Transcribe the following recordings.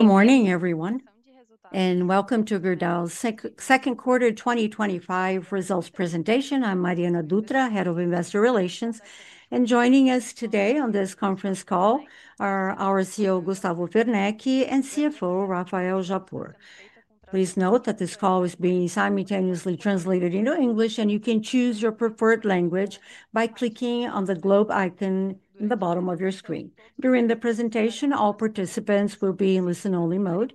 Good morning, everyone, and welcome to Gerdau's Second Quarter 2025 Results Presentation. I'm Mariana Dutra, Head of Investor Relations. Joining us today on this conference call are our CEO, Gustavo Werneck, and CFO, Rafael Japur. Please note that this call is being simultaneously translated into English, and you can choose your preferred language by clicking on the globe icon at the bottom of your screen. During the presentation, all participants will be in listen-only mode.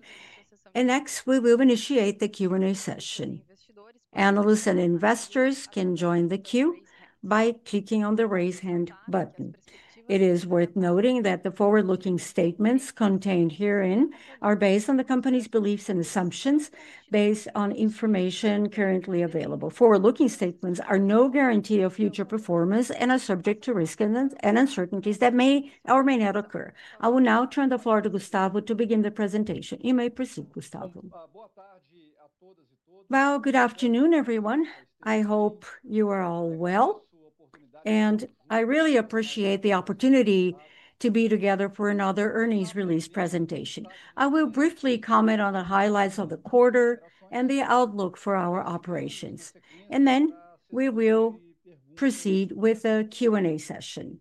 Next, we will initiate the Q&A session. Analysts and investors can join the queue by clicking on the raise hand button. It is worth noting that the forward-looking statements contained herein are based on the company's beliefs and assumptions based on information currently available. Forward-looking statements are no guarantee of future performance and are subject to risks and uncertainties that may or may not occur. I will now turn the floor to Gustavo to begin the presentation. You may proceed, Gustavo. Good afternoon, everyone. I hope you are all well. I really appreciate the opportunity to be together for another earnings release presentation. I will briefly comment on the highlights of the quarter and the outlook for our operations, then we will proceed with the Q&A session.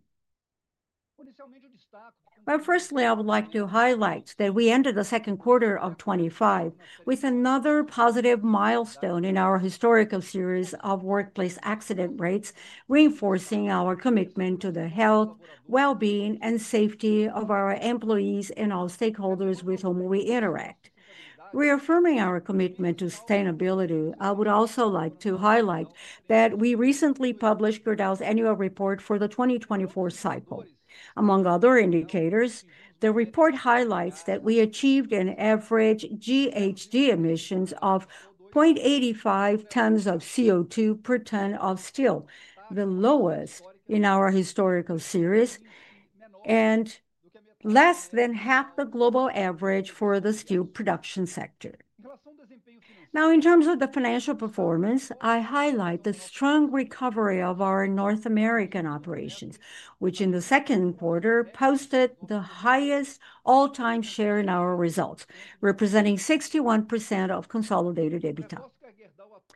Firstly, I would like to highlight that we ended the second quarter of 2025 with another positive milestone in our historical series of workplace accident rates, reinforcing our commitment to the health, well-being, and safety of our employees and all stakeholders with whom we interact. Reaffirming our commitment to sustainability, I would also like to highlight that we recently published Gerdau annual report for the 2024 cycle. Among other indicators, the report highlights that we achieved an average GHG emissions of 0.85 tons of CO2 per ton of steel, the lowest in our historical series and less than half the global average for the steel production sector. In terms of the financial performance, I highlight the strong recovery of our North American operations, which in the second quarter posted the highest all-time share in our results, representing 61% of consolidated EBITDA.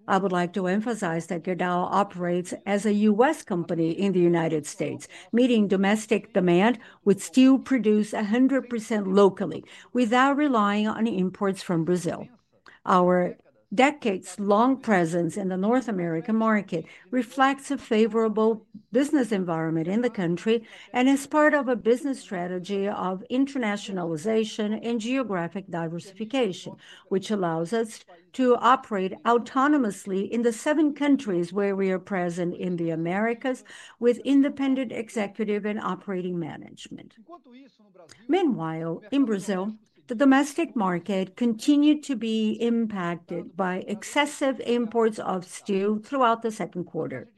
I would like to emphasize that Gerdau operates as a U.S. company in the United States, meeting domestic demand with steel produced 100% locally without relying on imports from Brazil. Our decades-long presence in the North American market reflects a favorable business environment in the country and is part of a business strategy of internationalization and geographic diversification, which allows us to operate autonomously in the seven countries where we are present in the Americas with independent executive and operating management. Meanwhile, in Brazil, the domestic market continued to be impacted by excessive imports of steel throughout the second quarter.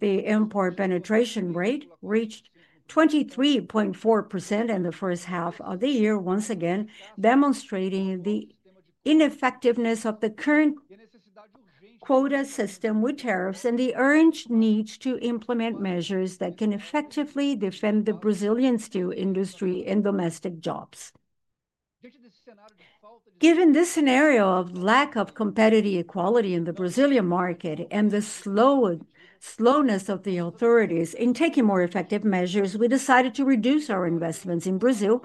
The import penetration rate reached 23.4% in the first half of the year, once again demonstrating the ineffectiveness of the current quota system with tariffs and the urgent need to implement measures that can effectively defend the Brazilian steel industry and domestic jobs. Given this scenario of lack of competitive equality in the Brazilian market and the slowness of the authorities in taking more effective measures, we decided to reduce our investments in Brazil,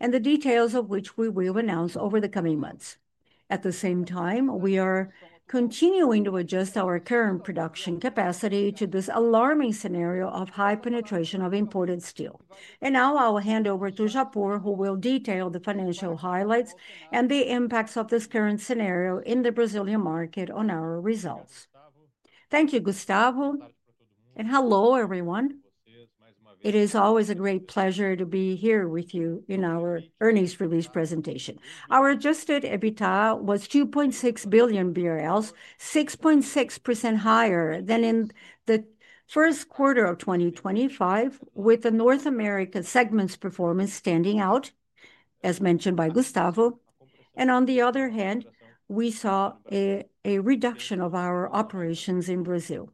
the details of which we will announce over the coming months. At the same time, we are continuing to adjust our current production capacity to this alarming scenario of high penetration of imported steel. Now I will hand over to Japur, who will detail the financial highlights and the impacts of this current scenario in the Brazilian market on our results. Thank you, Gustavo. Hello, everyone. It is always a great pleasure to be here with you in our earnings release presentation. Our adjusted EBITDA was 2.6 billion BRL, 6.6% higher than in the first quarter of 2025, with the North American segment's performance standing out, as mentioned by Gustavo. On the other hand, we saw a reduction of our operations in Brazil,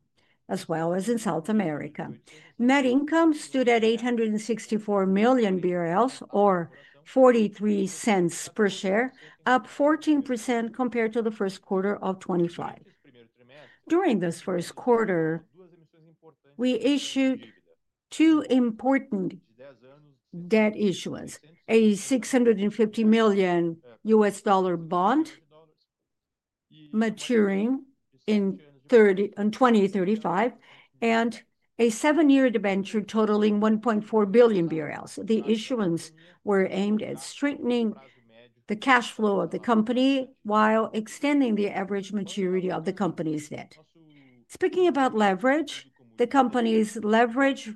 as well as in South America. Net income stood at 864 million BRL, or 0.43 per share, up 14% compared to the first quarter of 2025. During this first quarter, we issued two important debt issuances: a $650 million bond maturing in 2035 and a 7-year debenture totaling 1.4 billion BRL. The issuances were aimed at strengthening the cash flow of the company while extending the average maturity of the company's debt. Speaking about leverage, the company's leverage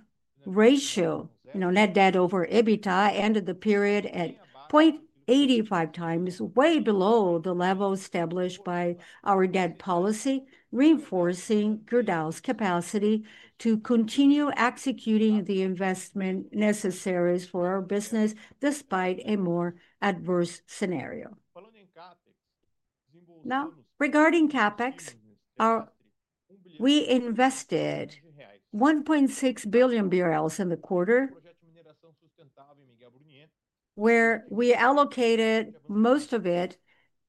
ratio, net debt over EBITDA, ended the period at 0.85x, way below the level established by our debt policy, reinforcing Gerdau capacity to continue executing the investment necessary for our business despite a more adverse scenario. Now, regarding CapEx, we invested 1.6 billion BRL in the quarter, where we allocated most of it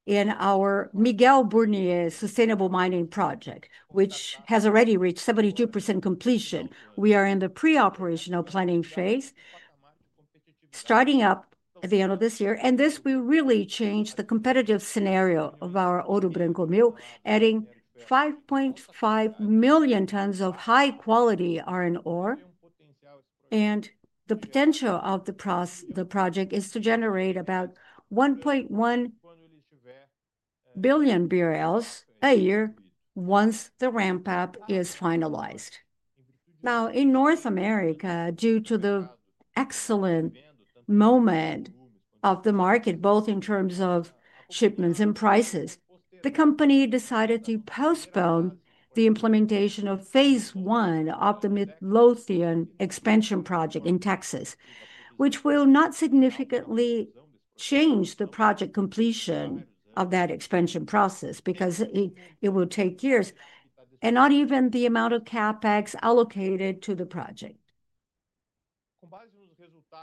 in our Miguel Burnier sustainable mining project, which has already reached 72% completion. We are in the preoperational planning phase, starting up at the end of this year. This will really change the competitive scenario of our Ouro Branco Mill, adding 5.5 million tons of high-quality iron ore. The potential of the project is to generate about 1.1 billion BRL a year once the ramp-up is finalized. In North America, due to the excellent moment of the market, both in terms of shipments and prices, the company decided to postpone the implementation of phase one of the Midlothian expansion project in Texas, which will not significantly change the project completion of that expansion process because it will take years and not even the amount of CapEx allocated to the project.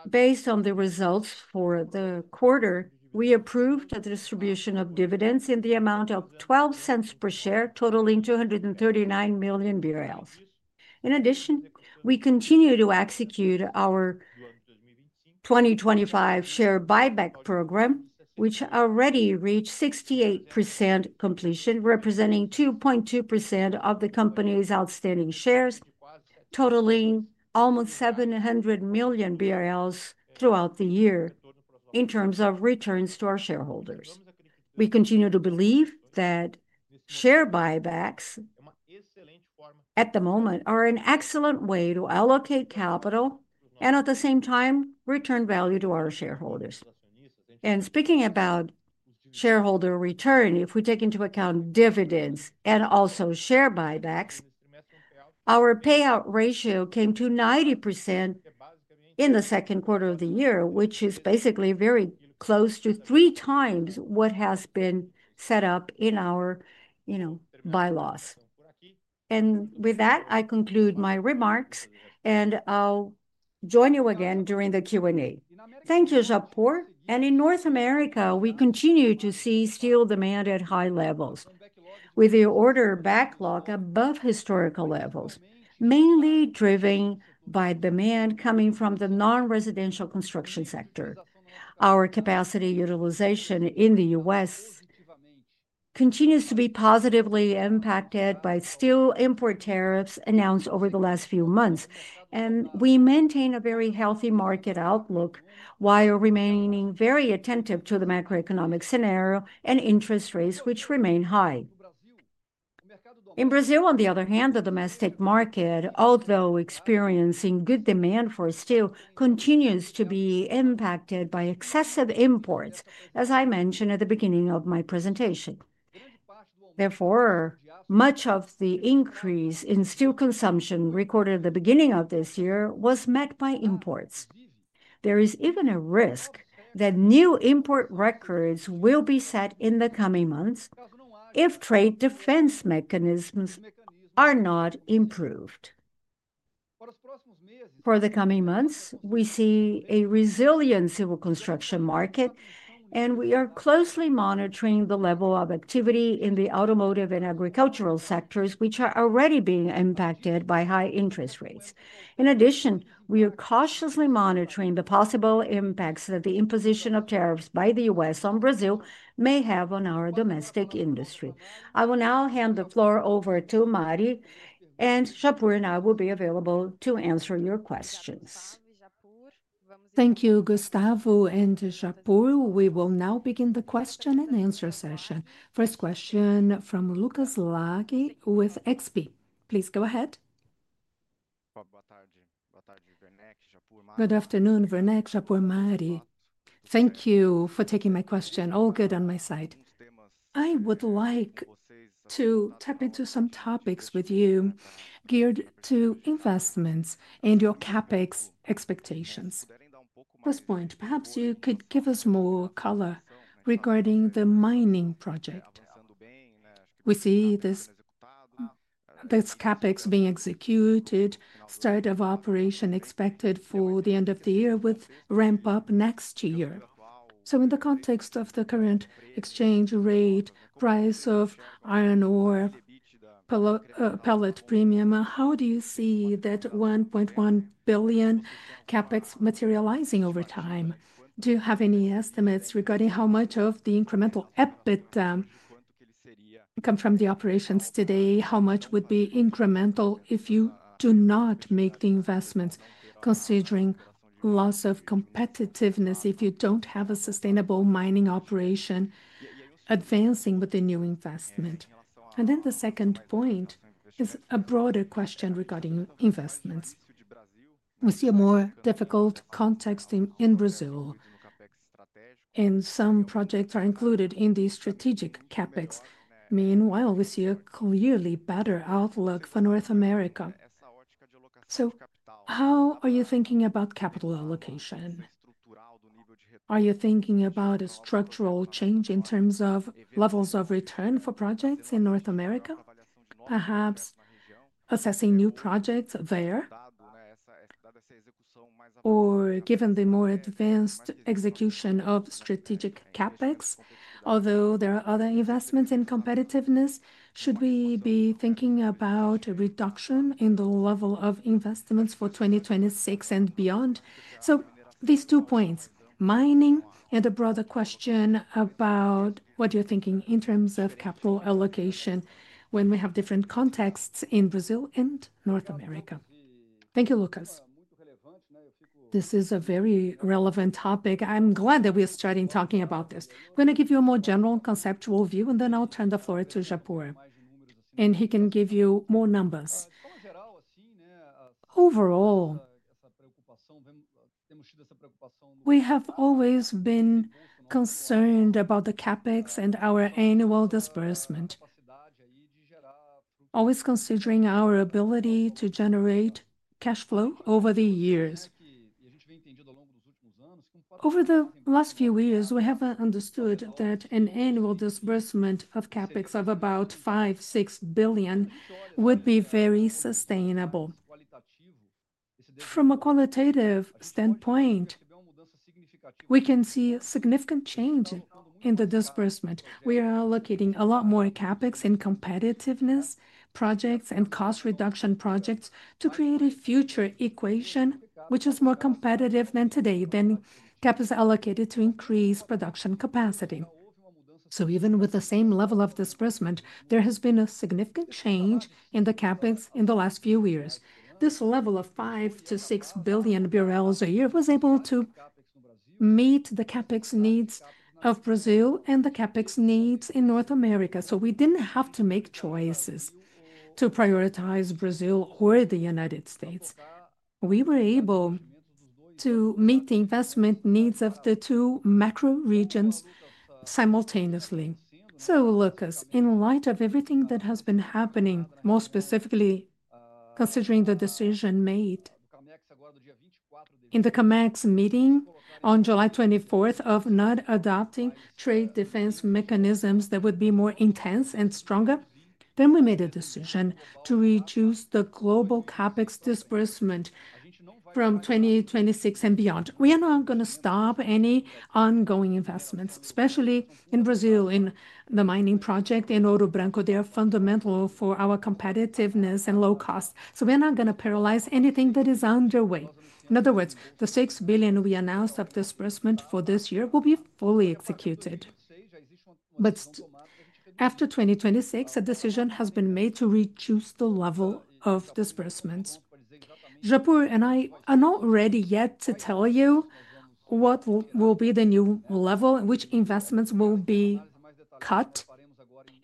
Based on the results for the quarter, we approved a distribution of dividends in the amount of 0.12 per share, totaling 239 million BRL. In addition, we continue to execute our 2025 share buyback program, which already reached 68% completion, representing 2.2% of the company's outstanding shares, totaling almost 700 million BRL throughout the year in terms of returns to our shareholders. We continue to believe that share buybacks, at the moment, are an excellent way to allocate capital and, at the same time, return value to our shareholders. Speaking about shareholder return, if we take into account dividends and also share buybacks, our payout ratio came to 90% in the second quarter of the year, which is basically very close to 3x what has been set up in our by-laws. With that, I conclude my remarks and I'll join you again during the Q&A. Thank you, Japur. In North America, we continue to see steel demand at high levels, with the order backlog above historical levels, mainly driven by demand coming from the non-residential construction sector. Our capacity utilization in the U.S. continues to be positively impacted by steel import tariffs announced over the last few months. We maintain a very healthy market outlook while remaining very attentive to the macroeconomic scenario and interest rates which remain high. In Brazil, on the other hand, the domestic market, although experiencing good demand for steel, continues to be impacted by excessive imports, as I mentioned at the beginning of my presentation. Therefore, much of the increase in steel consumption recorded at the beginning of this year was met by imports. There is even a risk that new import records will be set in the coming months if trade defense mechanisms are not improved. For the coming months, we see a resilient civil construction market, and we are closely monitoring the level of activity in the automotive and agricultural sectors, which are already being impacted by high interest rates. In addition, we are cautiously monitoring the possible impacts that the imposition of tariffs by the U.S. on Brazil may have on our domestic industry. I will now hand the floor over to Mari, and Japur and I will be available to answer your questions. Thank you, Gustavo and Japur. We will now begin the question-and-answer session. First question from Lucas Laghi with XP. Please go ahead. Good afternoon, Werneck, Japur, Mari. Thank you for taking my question. All good on my side. I would like to tap into some topics with you geared to investments and your CapEx expectations. First point, perhaps you could give us more color regarding the mining project. We see this CapEx being executed, start of operation expected for the end of the year with ramp-up next year. In the context of the current exchange rate, price of iron ore, pellet premium, how do you see that 1.1 billion CapEx materializing over time? Do you have any estimates regarding how much of the incremental EBITDA comes from the operations today? How much would be incremental if you do not make the investments, considering loss of competitiveness if you don't have a sustainable mining operation advancing with the new investment? The second point is a broader question regarding investments. We see a more difficult context in Brazil, and some projects are included in the strategic CapEx. Meanwhile, we see a clearly better outlook for North America. How are you thinking about capital allocation? Are you thinking about a structural change in terms of levels of return for projects in North America? Perhaps assessing new projects there, or given the more advanced execution of strategic CapEx, although there are other investments in competitiveness, should we be thinking about a reduction in the level of investments for 2026 and beyond? These two points, mining and a broader question about what you're thinking in terms of capital allocation when we have different contexts in Brazil and North America. Thank you, Lucas. This is a very relevant topic. I'm glad that we're starting talking about this. I'm going to give you a more general conceptual view, and then I'll turn the floor to Japur, and he can give you more numbers. Overall, we have always been concerned about the CapEx and our annual disbursement, always considering our ability to generate cash flow over the years. Over the last few years, we have understood that an annual disbursement of CapEx of about 5 billion, 6 billion would be very sustainable. From a qualitative standpoint, we can see a significant change in the disbursement. We are allocating a lot more CapEx in competitiveness projects and cost reduction projects to create a future equation which is more competitive than today than CapEx allocated to increase production capacity. Even with the same level of disbursement, there has been a significant change in the CapEx in the last few years. This level of 5 billion-6 billion a year was able to meet the CapEx needs of Brazil and the CapEx needs in North America. We didn't have to make choices to prioritize Brazil or the United States. We were able to meet the investment needs of the two macro regions simultaneously. Lucas, in light of everything that has been happening, more specifically considering the decision made in the COMEX meeting on July 24th of not adopting trade protection mechanisms that would be more intense and stronger, we made a decision to reduce the global CapEx disbursement from 2026 and beyond. We are not going to stop any ongoing investments, especially in Brazil, in the mining project in Ouro Branco. They are fundamental for our competitiveness and low cost. We're not going to paralyze anything that is underway. In other words, the 6 billion we announced of disbursement for this year will be fully executed. After 2026, a decision has been made to reduce the level of disbursements. Japur and I are not ready yet to tell you what will be the new level and which investments will be cut.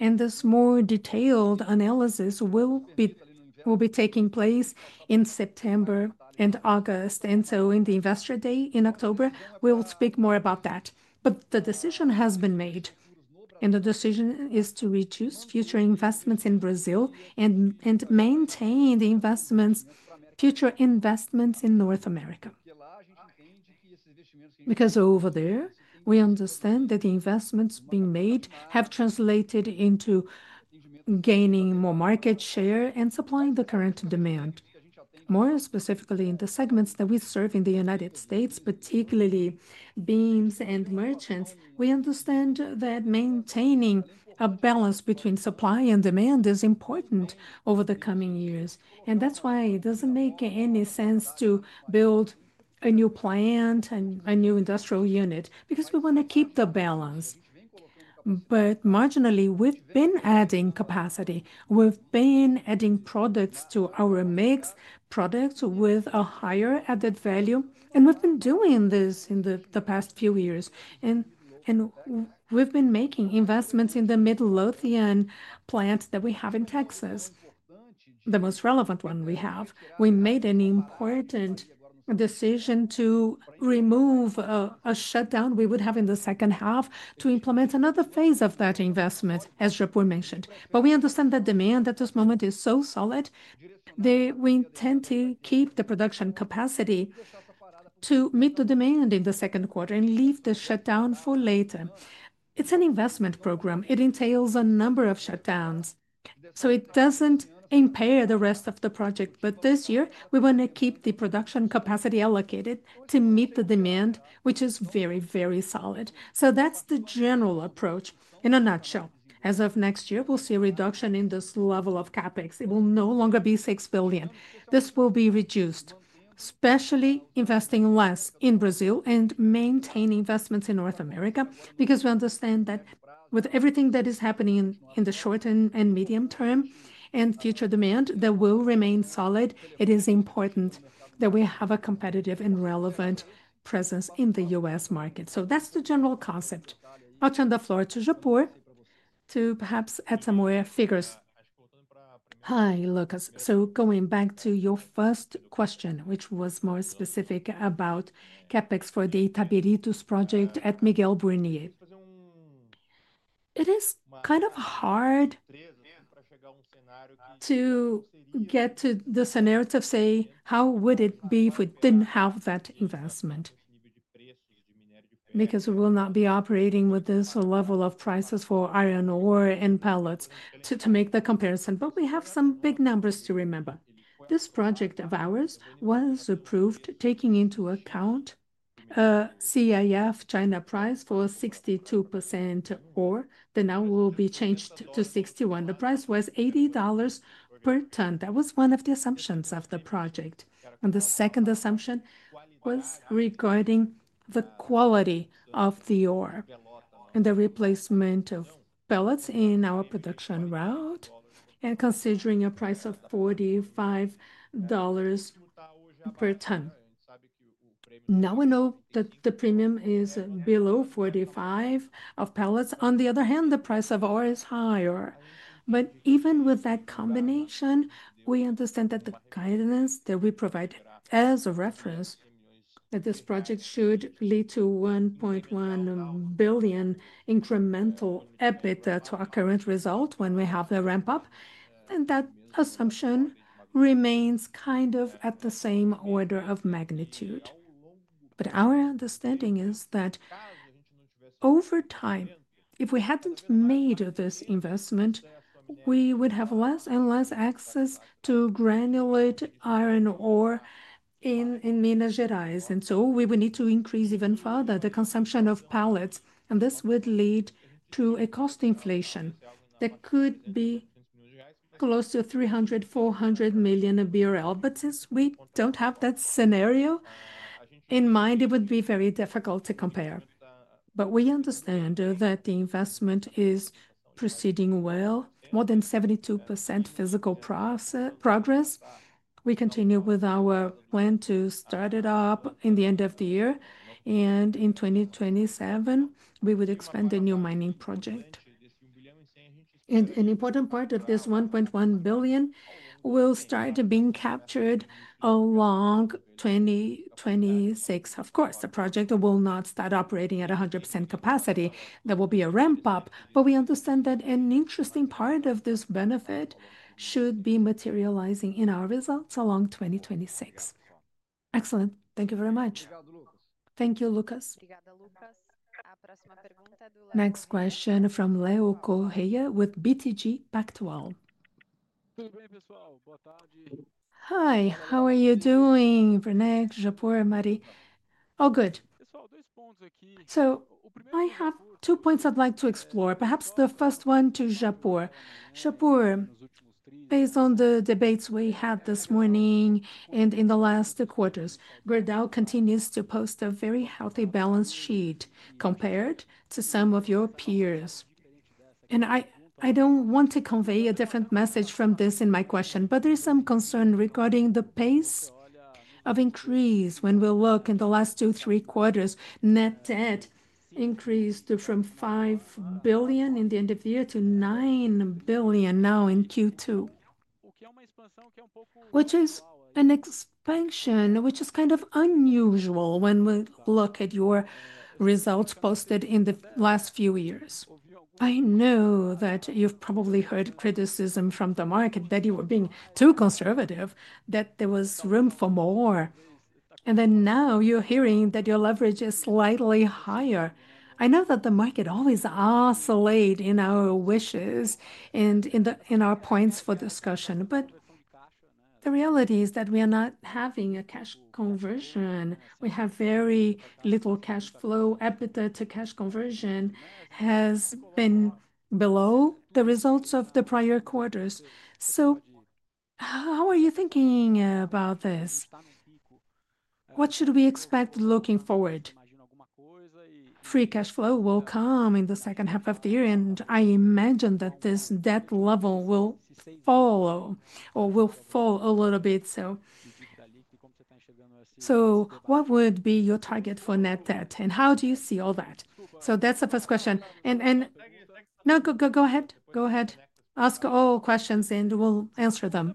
This more detailed analysis will be taking place in September and August. In the Investor Day in October, we will speak more about that. The decision has been made, and the decision is to reduce future investments in Brazil and maintain the future investments in North America. Over there, we understand that the investments being made have translated into gaining more market share and supplying the current demand. More specifically, in the segments that we serve in the United States, particularly steel beams and merchant bars, we understand that maintaining a balance between supply and demand is important over the coming years. That is why it doesn't make any sense to build a new plant and a new industrial unit because we want to keep the balance. Marginally, we've been adding capacity. We've been adding products to our mix, products with a higher added value. We've been doing this in the past few years. We've been making investments in the Midlothian plant that we have in Texas, the most relevant one we have. We made an important decision to remove a shutdown we would have in the second half to implement another phase of that investment, as Japur mentioned. We understand that demand at this moment is so solid that we intend to keep the production capacity to meet the demand in the second quarter and leave the shutdown for later. It's an investment program. It entails a number of shutdowns, so it doesn't impair the rest of the project. This year, we want to keep the production capacity allocated to meet the demand, which is very, very solid. That's the general approach. In a nutshell, as of next year, we'll see a reduction in this level of CapEx. It will no longer be 6 billion. This will be reduced, especially investing less in Brazil and maintaining investments in North America because we understand that with everything that is happening in the short and medium term and future demand that will remain solid, it is important that we have a competitive and relevant presence in the U.S. market. That's the general concept. I'll turn the floor to Japur to perhaps add some more figures. Hi, Lucas. Going back to your first question, which was more specific about CapEx for the Itabirito's project at Miguel Burnier, it is kind of hard to get to the scenario to say how would it be if we didn't have that investment because we will not be operating with this level of prices for iron ore and pellets to make the comparison. We have some big numbers to remember. This project of ours was approved taking into account a CIF China price for 62% ore, that now will be changed to 61%. The price was $80 per ton. That was one of the assumptions of the project. The second assumption was regarding the quality of the ore and the replacement of pellets in our production route and considering a price of $45 per ton. Now we know that the premium is below $45 of pellets. On the other hand, the price of ore is higher. Even with that combination, we understand that the guidance that we provide as a reference that this project should lead to 1.1 billion incremental EBITDA to our current result when we have the ramp-up, and that assumption remains kind of at the same order of magnitude. Our understanding is that over time, if we hadn't made this investment, we would have less and less access to granulate iron ore in Minas Gerais, and we would need to increase even further the consumption of pellets. This would lead to a cost inflation that could be close to 300 million, 400 million BRL. Since we don't have that scenario in mind, it would be very difficult to compare. We understand that the investment is proceeding well, more than 72% physical process, progress. We continue with our plan to start it up at the end of the year. In 2027, we would expand the new mining project. An important part of this 1.1 billion will start being captured along 2026. Of course, the project will not start operating at 100% capacity. There will be a ramp-up. We understand that an interesting part of this benefit should be materializing in our results along 2026. Thank you very much. Thank you, Lucas. Next question from Leo Correa with BTG Pactual. Hi. How are you doing, Werneck, Japur, Mari? All good. I have two points I'd like to explore. Perhaps the first one to Japur. Japur, based on the debates we had this morning and in the last quarters, Gerdau continues to post a very healthy balance sheet compared to some of your peers. I don't want to convey a different message from this in my question, but there's some concern regarding the pace of increase when we look in the last two, three quarters. Net debt increased from 5 billion at the end of the year to 9 billion now in Q2, which is an expansion that is kind of unusual when we look at your results posted in the last few years. I know that you've probably heard criticism from the market that you were being too conservative, that there was room for more. Now you're hearing that your leverage is slightly higher. I know that the market always oscillates in our wishes and in our points for discussion. The reality is that we are not having a cash conversion. We have very little cash flow. EBITDA to cash conversion has been below the results of the prior quarters. How are you thinking about this? What should we expect looking forward? Free cash flow will come in the second half of the year. I imagine that this debt level will follow or will fall a little bit. What would be your target for net debt and how do you see all that? That's the first question. Go ahead. Ask all questions and we'll answer them.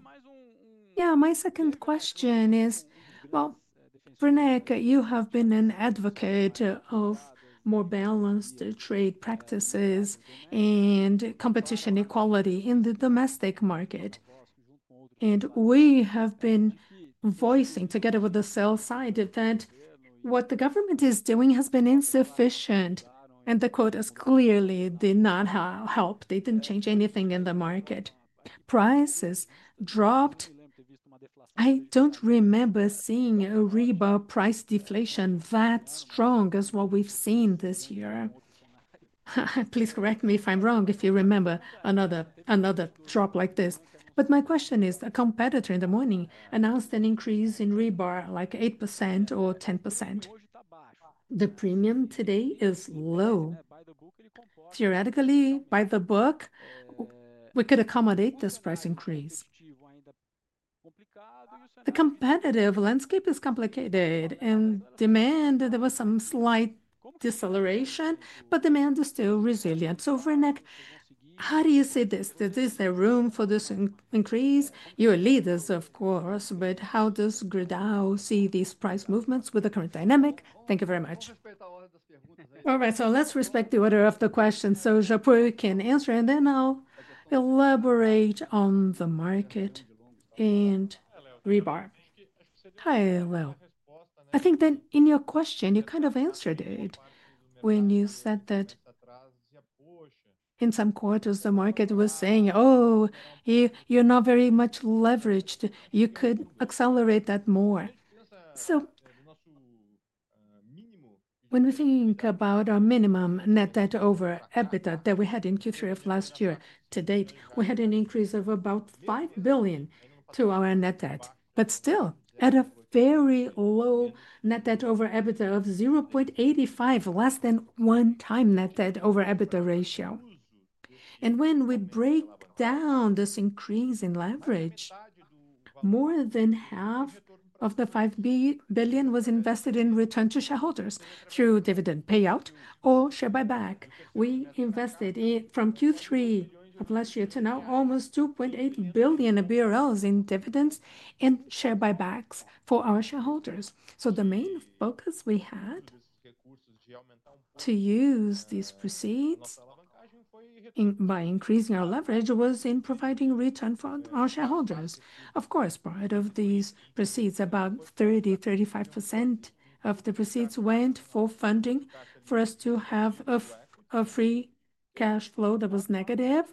My second question is, Werneck, you have been an advocate of more balanced trade practices and competition equality in the domestic market. We have been voicing, together with the sell side, that what the government is doing has been insufficient. The quotas clearly did not help. They didn't change anything in the market. Prices dropped. I don't remember seeing a rebar price deflation that strong as what we've seen this year. Please correct me if I'm wrong if you remember another drop like this. My question is, a competitor in the morning announced an increase in rebar like 8% or 10%. The premium today is low. Theoretically, by the book, we could accommodate this price increase. The competitive landscape is complicated, and demand, there was some slight deceleration, but demand is still resilient. Werneck, how do you see this? Is there room for this increase? You are leaders, of course, but how does Gerdau see these price movements with the current dynamic? Thank you very much. All right. Let's respect the order of the question. Japur, you can answer, and then I'll elaborate on the market and rebar. Hi, Leo. I think that in your question, you kind of answered it when you said that in some quarters, the market was saying, oh, you're not very much leveraged. You could accelerate that more. When we think about our minimum net debt over EBITDA that we had in Q3 of last year-to-date, we had an increase of about 5 billion to our net debt, but still, at a very low net debt over EBITDA of 0.85, less than 1x net debt over EBITDA ratio. When we break down this increase in leverage, more than half of the 5 billion was invested in return to shareholders through dividend payout or share buyback. We invested from Q3 of last year to now almost BRL 2.8 billion in dividends and share buybacks for our shareholders. The main focus we had to use these proceeds by increasing our leverage was in providing return for our shareholders. Of course, part of these proceeds, about 30% -35% of the proceeds, went for funding for us to have a free cash flow that was negative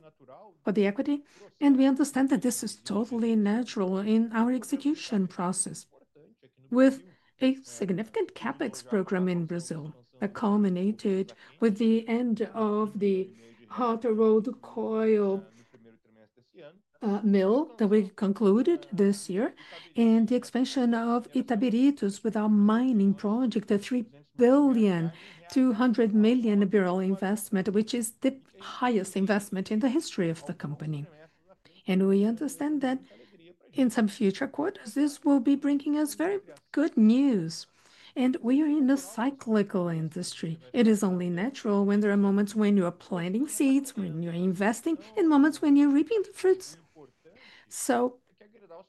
for the equity. We understand that this is totally natural in our execution process. With a significant CapEx program in Brazil, accommodated with the end of the hot rolled coil mill that we concluded this year, and the expansion of Itabirito's with our mining project, a [BRL 200 million] investment, which is the highest investment in the history of the company. We understand that in some future quarters, this will be bringing us very good news. We are in a cyclical industry. It is only natural when there are moments when you are planting seeds, when you're investing, and moments when you're reaping the fruits.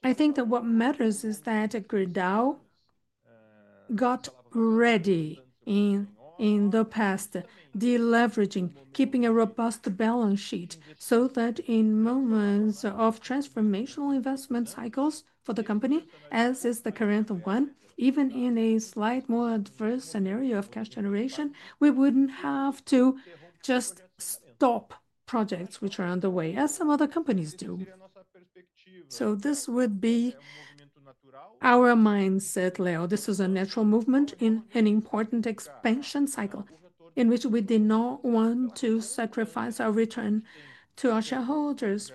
I think that what matters is that Gerdau got ready in the past, deleveraging, keeping a robust balance sheet so that in moments of transformational investment cycles for the company, as is the current one, even in a slightly more adverse scenario of cash generation, we wouldn't have to just stop projects which are underway, as some other companies do. This would be our mindset, Leo. This is a natural movement in an important expansion cycle in which we did not want to sacrifice our return to our shareholders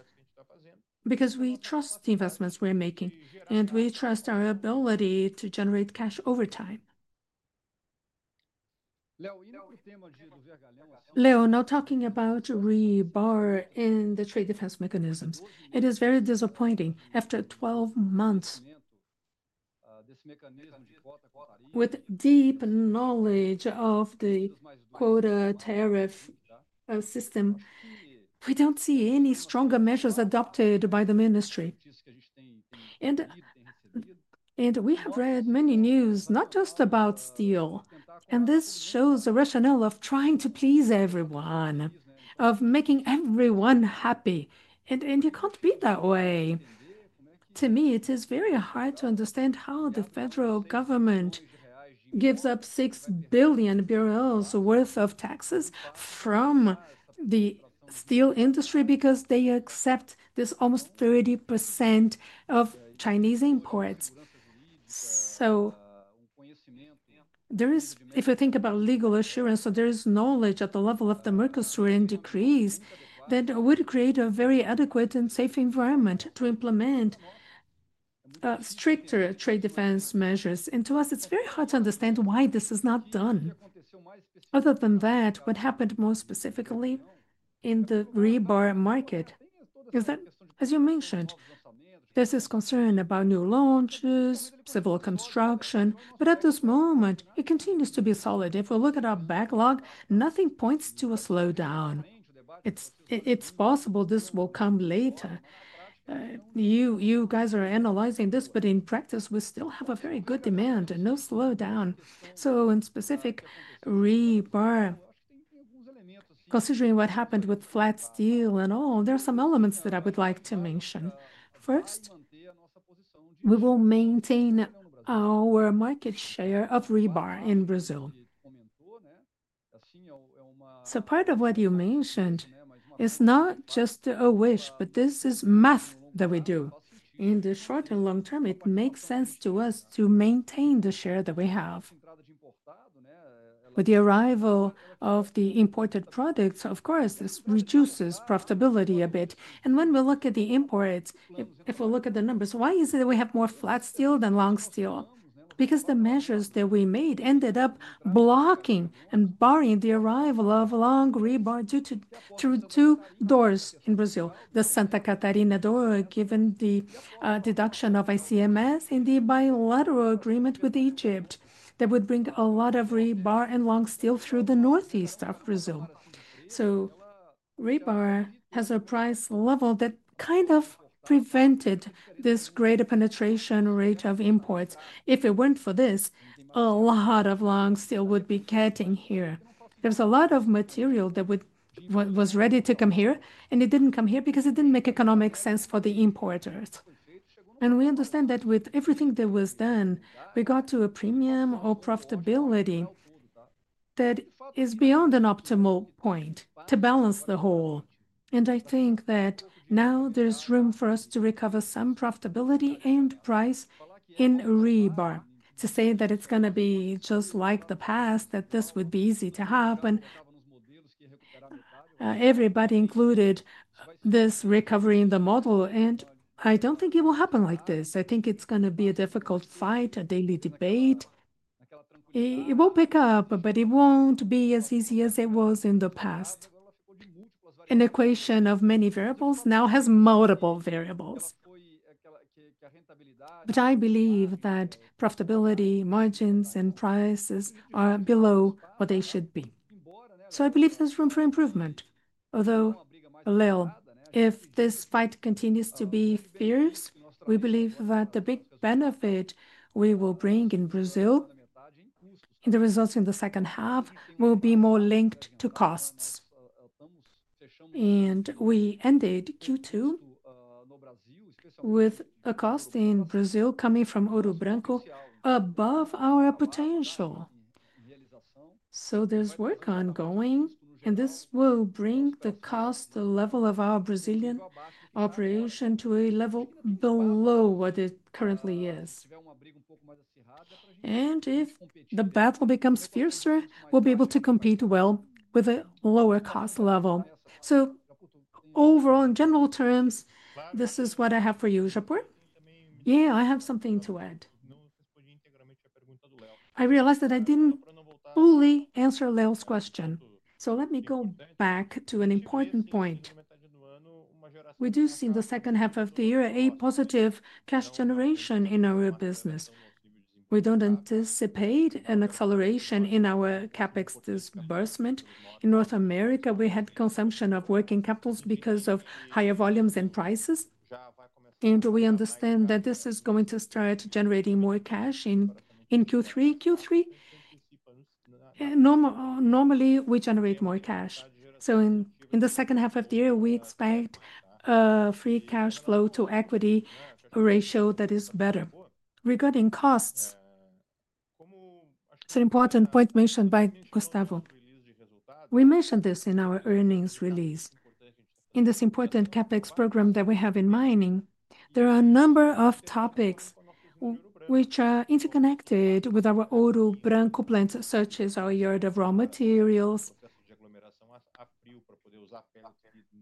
because we trust the investments we're making and we trust our ability to generate cash over time. Leo, now talking about rebar in the trade defense mechanisms, it is very disappointing. After 12 months with deep knowledge of the quota tariff system, we don't see any stronger measures adopted by the ministry. We have read many news, not just about steel. This shows the rationale of trying to please everyone, of making everyone happy. You can't be that way. To me, it is very hard to understand how the federal government gives up 6 billion BRL worth of taxes from the steel industry because they accept this almost 30% of Chinese imports. If you think about legal assurance or there is knowledge at the level of the mercury and decrease, that would create a very adequate and safe environment to implement stricter trade defense measures. To us, it's very hard to understand why this is not done. Other than that, what happened more specifically in the rebar market is that, as you mentioned, there's this concern about new launches, civil construction. At this moment, it continues to be solid. If we look at our backlog, nothing points to a slowdown. It's possible this will come later. You guys are analyzing this, but in practice, we still have a very good demand and no slowdown. In specific, rebar, considering what happened with flat steel and all, there are some elements that I would like to mention. First, we will maintain our market share of rebar in Brazil. Part of what you mentioned is not just a wish, but this is math that we do. In the short and long term, it makes sense to us to maintain the share that we have. With the arrival of the imported products, of course, this reduces profitability a bit. When we look at the imports, if we look at the numbers, why is it that we have more flat steel than long steel? Because the measures that we made ended up blocking and barring the arrival of long rebar due to two doors in Brazil, the Santa Catarina door, given the deduction of ICMS and the bilateral agreement with Egypt that would bring a lot of rebar and long steel through the Northeast of Brazil. Rebar has a price level that kind of prevented this greater penetration rate of imports. If it weren't for this, a lot of long steel would be getting here. There's a lot of material that was ready to come here, and it didn't come here because it didn't make economic sense for the importers. We understand that with everything that was done, we got to a premium or profitability that is beyond an optimal point to balance the whole. I think that now there's room for us to recover some profitability and price in rebar. To say that it's going to be just like the past, that this would be easy to happen. Everybody included this recovery in the model, and I don't think it will happen like this. I think it's going to be a difficult fight, a daily debate. It will pick up, but it won't be as easy as it was in the past. An equation of many variables now has multiple variables. I believe that profitability, margins, and prices are below what they should be. I believe there's room for improvement. Although, Leo, if this fight continues to be fierce, we believe that the big benefit we will bring in Brazil in the results in the second half will be more linked to costs. We ended Q2 with a cost in Brazil coming from Ouro Branco above our potential. There's work ongoing, and this will bring the cost level of our Brazilian operation to a level below what it currently is. If the battle becomes fiercer, we'll be able to compete well with a lower cost level. Overall, in general terms, this is what I have for you, Japur? Yeah, I have something to add. I realized that I didn't fully answer Leo's question. Let me go back to an important point. We do see in the second half of the year a positive cash generation in our business. We don't anticipate an acceleration in our CapEx disbursement. In North America, we had consumption of working capitals because of higher volumes and prices. We understand that this is going to start generating more cash in Q3. Normally, we generate more cash. In the second half of the year, we expect a free cash flow to equity ratio that is better. Regarding costs, it's an important point mentioned by Gustavo. We mentioned this in our earnings release. In this important CapEx program that we have in mining, there are a number of topics which are interconnected with our Ouro Branco plants, such as our yard of raw materials,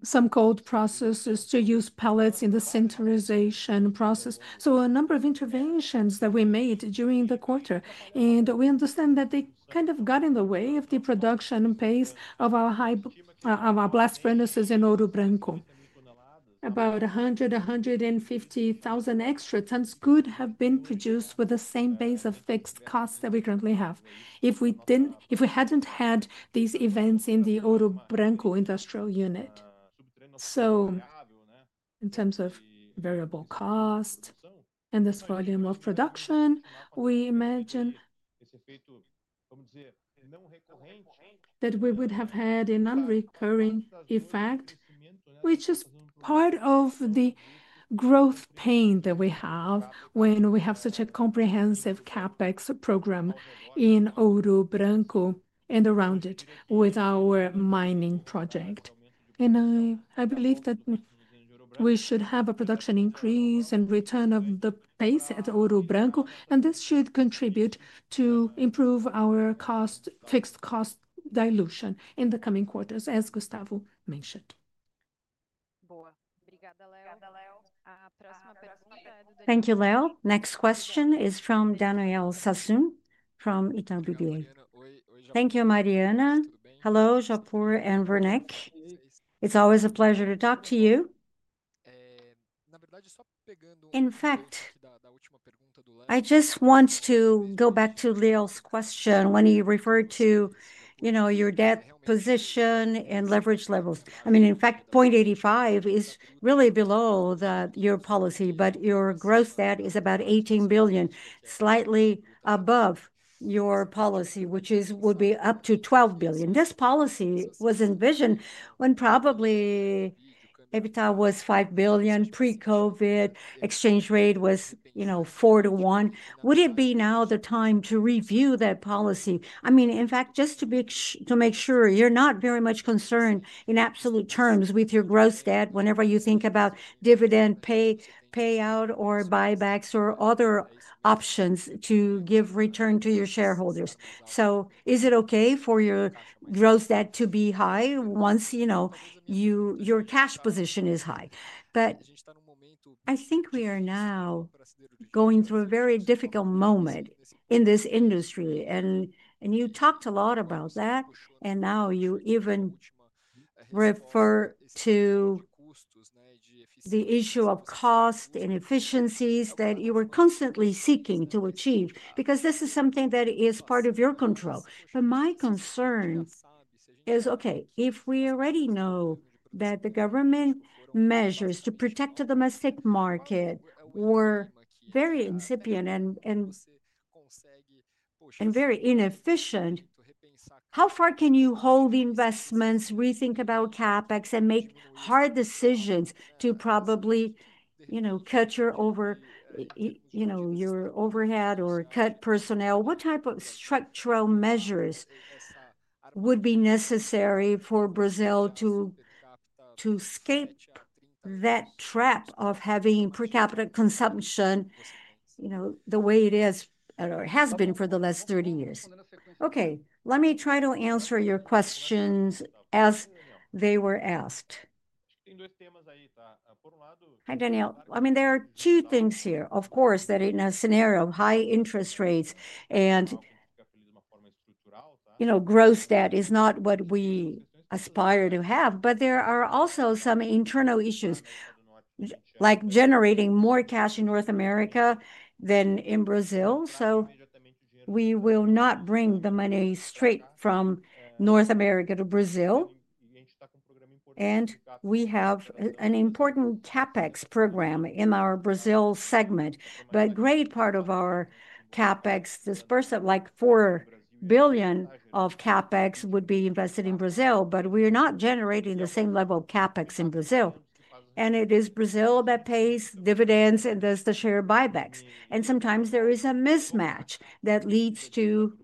some cold processes to use pellets in the sinterization process. There are a number of interventions that we made during the quarter, and we understand that they kind of got in the way of the production pace of our blast furnaces in Ouro Branco. About 100,000, 150,000 extra tons could have been produced with the same base of fixed costs that we currently have if we hadn't had these events in the Ouro Branco industrial unit. In terms of variable cost and this volume of production, we imagine that we would have had an unrecurring effect, which is part of the growth pain that we have when we have such a comprehensive CapEx program in Ouro Branco and around it with our mining project. I believe that we should have a production increase and return of the pace at Ouro Branco, and this should contribute to improve our fixed cost dilution in the coming quarters, as Gustavo mentioned. Thank you, Leo. Next question is from Daniel Sasson from Itaú BBA. Thank you, Mariana. Hello, Japur and Werneck. It's always a pleasure to talk to you. I just want to go back to Leo's question when he referred to your debt position and leverage levels. In fact, 0.85 is really below your policy, but your gross debt is about 18 billion, slightly above your policy, which would be up to 12 billion. This policy was envisioned when probably EBITDA was 5 billion pre-COVID, exchange rate was 4:1. Would it be now the time to review that policy? Just to make sure you're not very much concerned in absolute terms with your gross debt whenever you think about dividend payout or buybacks or other options to give return to your shareholders. Is it okay for your gross debt to be high once your cash position is high? I think we are now going through a very difficult moment in this industry, and you talked a lot about that. You even refer to the issue of cost and efficiencies that you were constantly seeking to achieve because this is something that is part of your control. My concern is, okay, if we already know that the government measures to protect the domestic market were very incipient and very inefficient, how far can you hold investments, rethink about CapEx, and make hard decisions to probably, you know, cut your overhead or cut personnel? What type of structural measures would be necessary for Brazil to escape that trap of having per capita consumption, you know, the way it is, or it has been for the last 30 years? Okay. Let me try to answer your questions as they were asked. Hi, Daniel. I mean, there are two things here. Of course, in a scenario of high interest rates and, you know, gross debt is not what we aspire to have, but there are also some internal issues like generating more cash in North America than in Brazil. We will not bring the money straight from North America to Brazil. We have an important CapEx program in our Brazil segment. A great part of our CapEx disbursement, like 4 billion of CapEx, would be invested in Brazil, but we are not generating the same level of CapEx in Brazil. It is Brazil that pays dividends and does the share buybacks. Sometimes there is a mismatch that leads to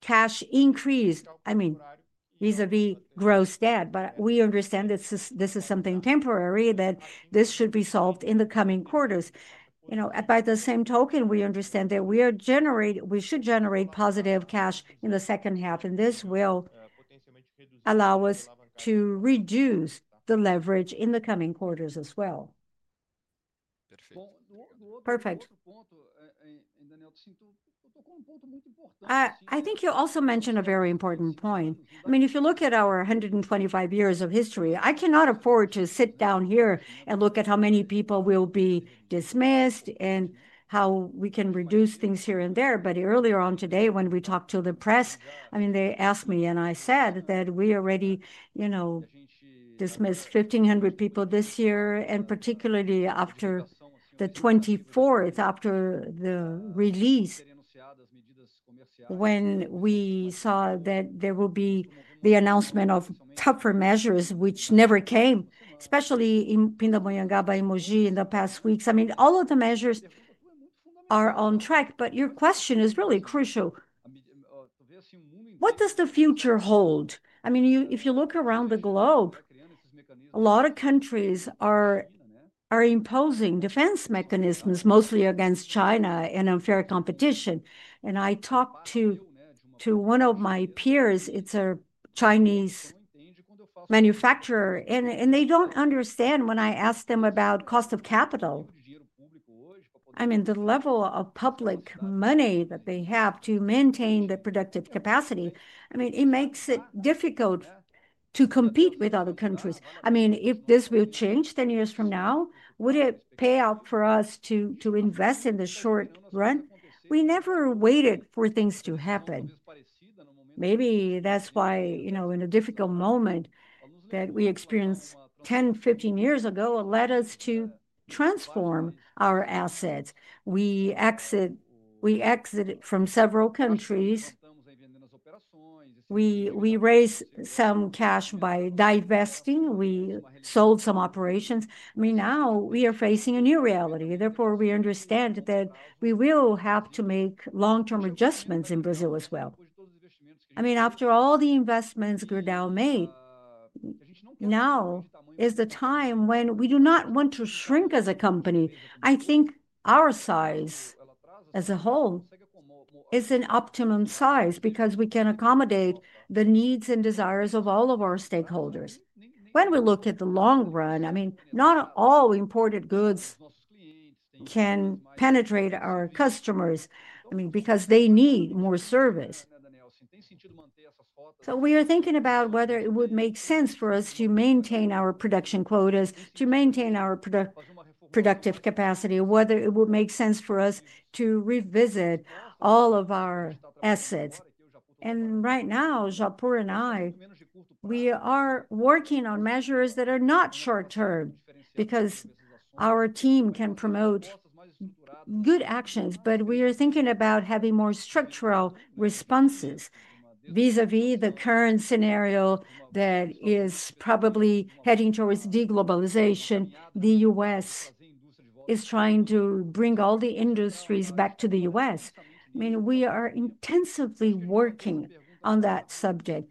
cash increase, I mean, vis-à-vis gross debt. We understand that this is something temporary, that this should be solved in the coming quarters. By the same token, we understand that we should generate positive cash in the second half. This will allow us to reduce the leverage in the coming quarters as well. Perfect. I think you also mentioned a very important point. If you look at our 125 years of history, I cannot afford to sit down here and look at how many people will be dismissed and how we can reduce things here and there. Earlier on today, when we talked to the press, they asked me, and I said that we already, you know, dismissed 1,500 people this year, and particularly after the 24th, after the release, when we saw that there would be the announcement of tougher measures, which never came, especially in Pindamonhangaba and Mogi in the past weeks. All of the measures are on track, but your question is really crucial. What does the future hold? If you look around the globe, a lot of countries are imposing defense mechanisms, mostly against China and unfair competition. I talked to one of my peers. It's a Chinese manufacturer. They don't understand when I ask them about cost of capital. The level of public money that they have to maintain the productive capacity makes it difficult to compete with other countries. If this will change 10 years from now, would it pay out for us to invest in the short run? We never waited for things to happen. Maybe that's why, in a difficult moment that we experienced 10, 15 years ago, it led us to transform our assets. We exited from several countries. We raised some cash by divesting. We sold some operations. Now we are facing a new reality. Therefore, we understand that we will have to make long-term adjustments in Brazil as well. After all the investments Gerdau made, now is the time when we do not want to shrink as a company. I think our size as a whole is an optimum size because we can accommodate the needs and desires of all of our stakeholders. When we look at the long run, not all imported goods can penetrate our customers because they need more service. We are thinking about whether it would make sense for us to maintain our production quotas, to maintain our productive capacity, whether it would make sense for us to revisit all of our assets. Right now, Japur and I are working on measures that are not short-term because our team can promote good actions, but we are thinking about having more structural responses vis-à-vis the current scenario that is probably heading towards de-globalization. The U.S. is trying to bring all the industries back to the U.S. We are intensively working on that subject.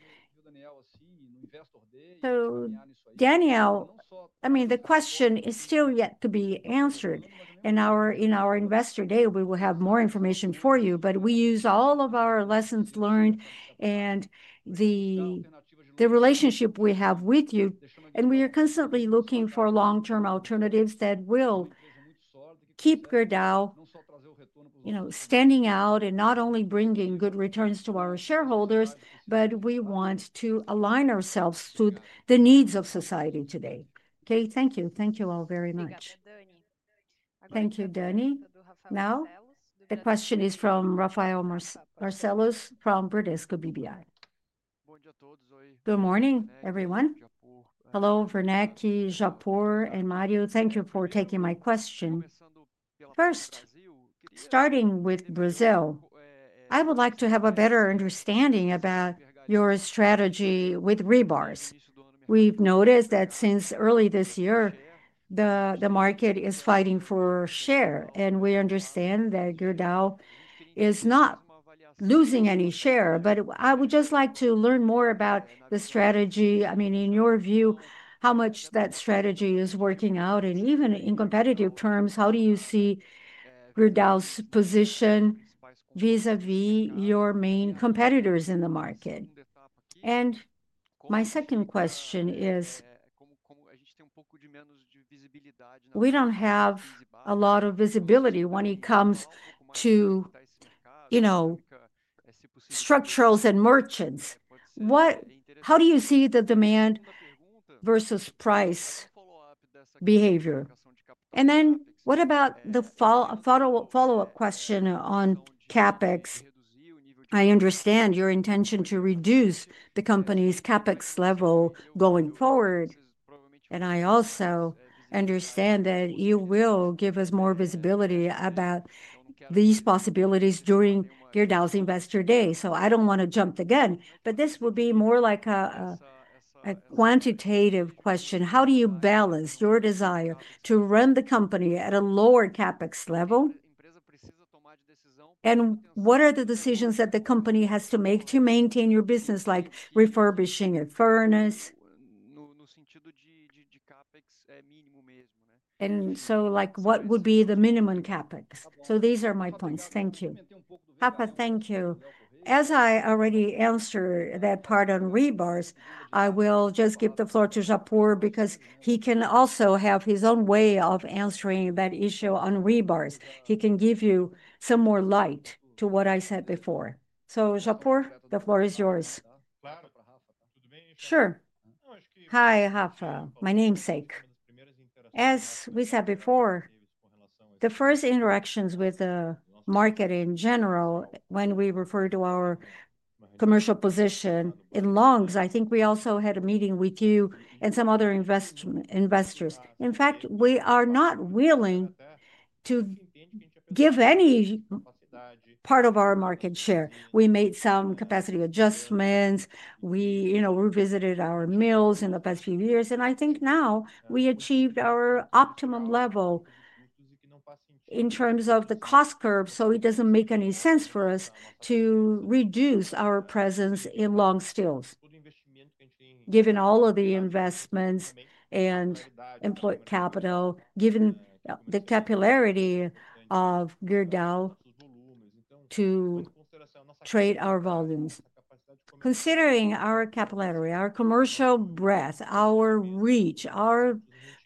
Daniel, the question is still yet to be answered. In our Investor Day, we will have more information for you, but we use all of our lessons learned and the relationship we have with you. We are constantly looking for long-term alternatives that will keep Gerdau standing out and not only bringing good returns to our shareholders, but we want to align ourselves to the needs of society today. Thank you. Thank you all very much. Thank you, Danny. Now, the question is from Rafael Barcellos from Bradesco BBI. Good morning, everyone. Hello, Werneck, Japur, and [Mario] Thank you for taking my question. First, starting with Brazil, I would like to have a better understanding about your strategy with rebars. We've noticed that since early this year, the market is fighting for share, and we understand that Gerdau is not losing any share, but I would just like to learn more about the strategy. I mean, in your view, how much that strategy is working out, and even in competitive terms, how do you see Gerdau's position vis-à-vis your main competitors in the market? My second question is, we don't have a lot of visibility when it comes to structurals and merchant bars. How do you see the demand versus price behavior? What about the follow-up question on CapEx? I understand your intention to reduce the company's CapEx level going forward. I also understand that you will give us more visibility about these possibilities during Gerdau's Investor Day. I don't want to jump again, but this will be more like a quantitative question. How do you balance your desire to run the company at a lower CapEx level? What are the decisions that the company has to make to maintain your business, like refurbishing a furnace? What would be the minimum CapEx? These are my points. Thank you. Thank you. As I already answered that part on rebars, I will just give the floor to Japur because he can also have his own way of answering that issue on rebars. He can give you some more light to what I said before. Japur, the floor is yours. Sure. Hi, Rafa. My namesake. As we said before, the first interactions with the market in general, when we refer to our commercial position in longs, I think we also had a meeting with you and some other investors. In fact, we are not willing to give any part of our market share. We made some capacity adjustments. We revisited our mills in the past few years. I think now we achieved our optimum level in terms of the cost curve. It doesn't make any sense for us to reduce our presence in long steels, given all of the investments and employed capital, given the capillarity Gerdau to trade our volumes. Considering our capillarity, our commercial breadth, our reach, our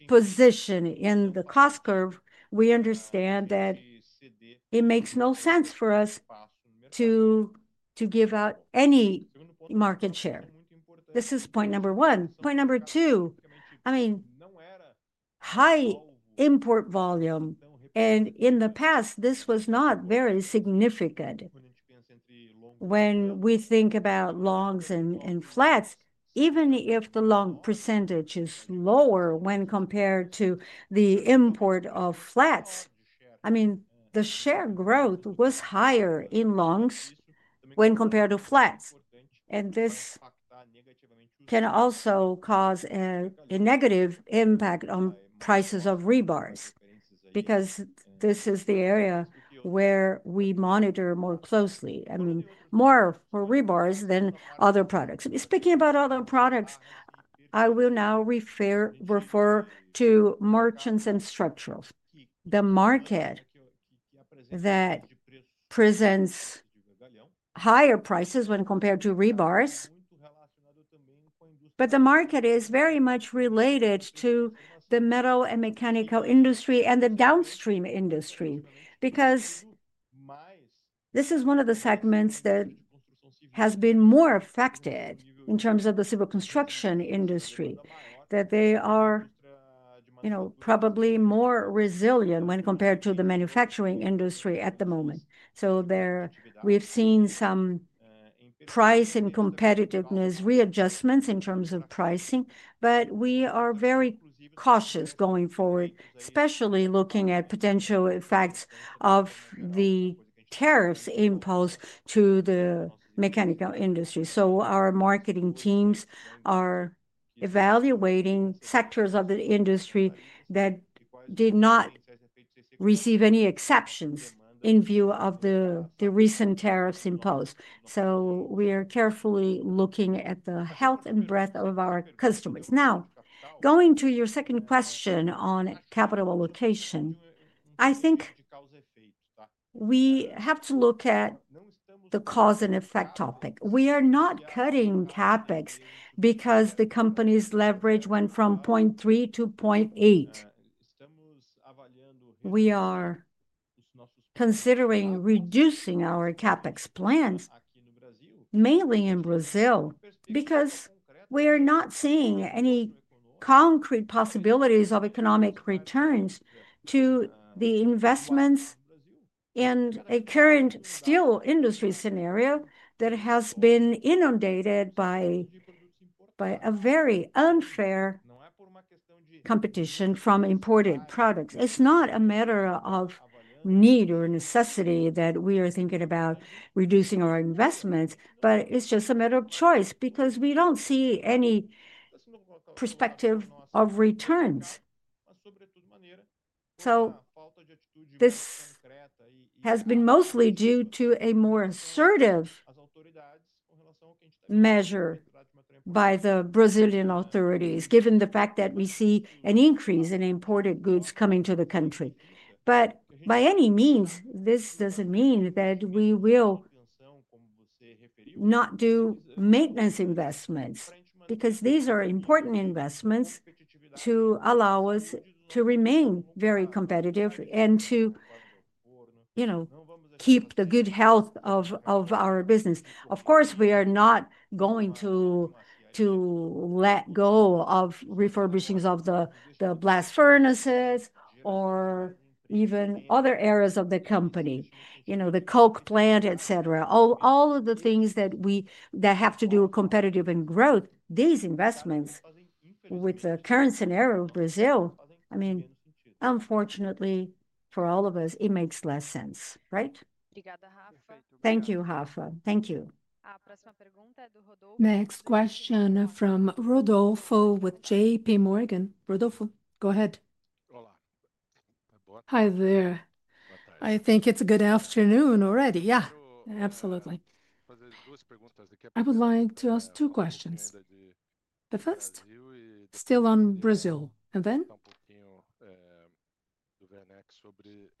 position in the cost curve, we understand that it makes no sense for us to give out any market share. This is point number one. Point number two, I mean, high import volume. In the past, this was not very significant. When we think about longs and flats, even if the long percentage is lower when compared to the import of flats, the share growth was higher in longs when compared to flats. This can also cause a negative impact on prices of rebars because this is the area where we monitor more closely, more for rebars than other products. Speaking about other products, I will now refer to merchant bars and structurals. The market presents higher prices when compared to rebars, but the market is very much related to the metal and mechanical industry and the downstream industry because this is one of the segments that has been more affected in terms of the civil construction industry. They are probably more resilient when compared to the manufacturing industry at the moment. We have seen some price and competitiveness readjustments in terms of pricing, but we are very cautious going forward, especially looking at potential effects of the tariffs imposed on the mechanical industry. Our marketing teams are evaluating sectors of the industry that did not receive any exceptions in view of the recent tariffs imposed. We are carefully looking at the health and breadth of our customers. Now, going to your second question on capital allocation, I think we have to look at the cause and effect topic. We are not cutting CapEx because the company's leverage went from 0.3-0.8. We are considering reducing our CapEx plans, mainly in Brazil, because we are not seeing any concrete possibilities of economic returns to the investments in a current steel industry scenario that has been inundated by very unfair competition from imported products. It is not a matter of need or necessity that we are thinking about reducing our investments, but it is just a matter of choice because we do not see any perspective of returns. This has been mostly due to a more assertive measure by the Brazilian authorities, given the fact that we see an increase in imported goods coming to the country. By any means, this does not mean that we will not do maintenance investments because these are important investments to allow us to remain very competitive and to keep the good health of our business. Of course, we are not going to let go of refurbishings of the blast furnaces or even other areas of the company, the Coke plant, etc. All of the things that have to do with competitive growth, these investments with the current scenario of Brazil, unfortunately, for all of us, it makes less sense, right? Thank you, Rafa. Thank you. Next question from Rodolfo with JPMorgan. Rodolfo, go ahead. Hi there. I think it is a good afternoon already. Yeah. Absolutely. I would like to ask two questions. The first, still on Brazil, and then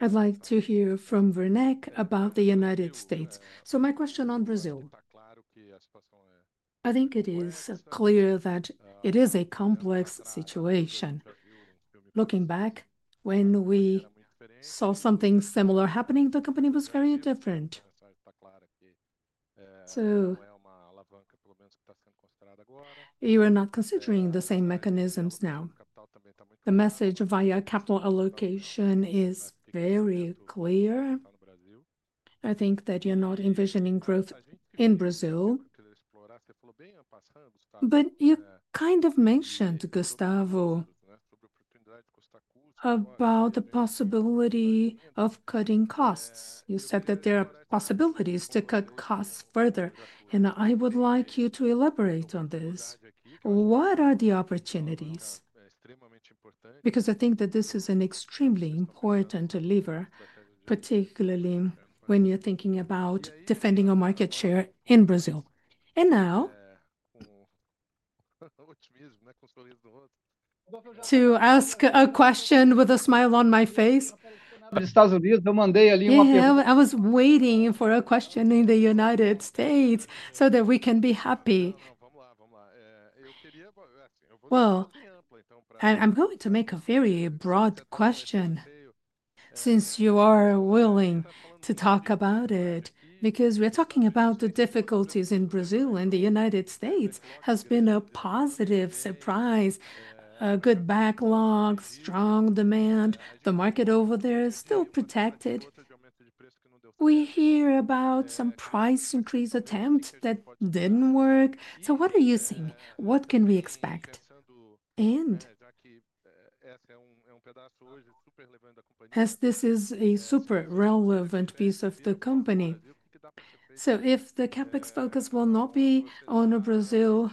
I'd like to hear from Werneck about the United States. My question on Brazil: I think it is clear that it is a complex situation. Looking back, when we saw something similar happening, the company was very different. You are not considering the same mechanisms now. The message via capital allocation is very clear. I think that you're not envisioning growth in Brazil. You kind of mentioned, to Gustavo, about the possibility of cutting costs. You said that there are possibilities to cut costs further. I would like you to elaborate on this. What are the opportunities? I think that this is an extremely important lever, particularly when you're thinking about defending a market share in Brazil. To ask a question with a smile on my face, I was waiting for a question in the United States so that we can be happy. I'm going to make a very broad question since you are willing to talk about it because we're talking about the difficulties in Brazil, and the United States has been a positive surprise. A good backlog, strong demand, the market over there is still protected. We hear about some price increase attempts that didn't work. What are you seeing? What can we expect? As this is a super relevant piece of the company, if the CapEx focus will not be on Brazil,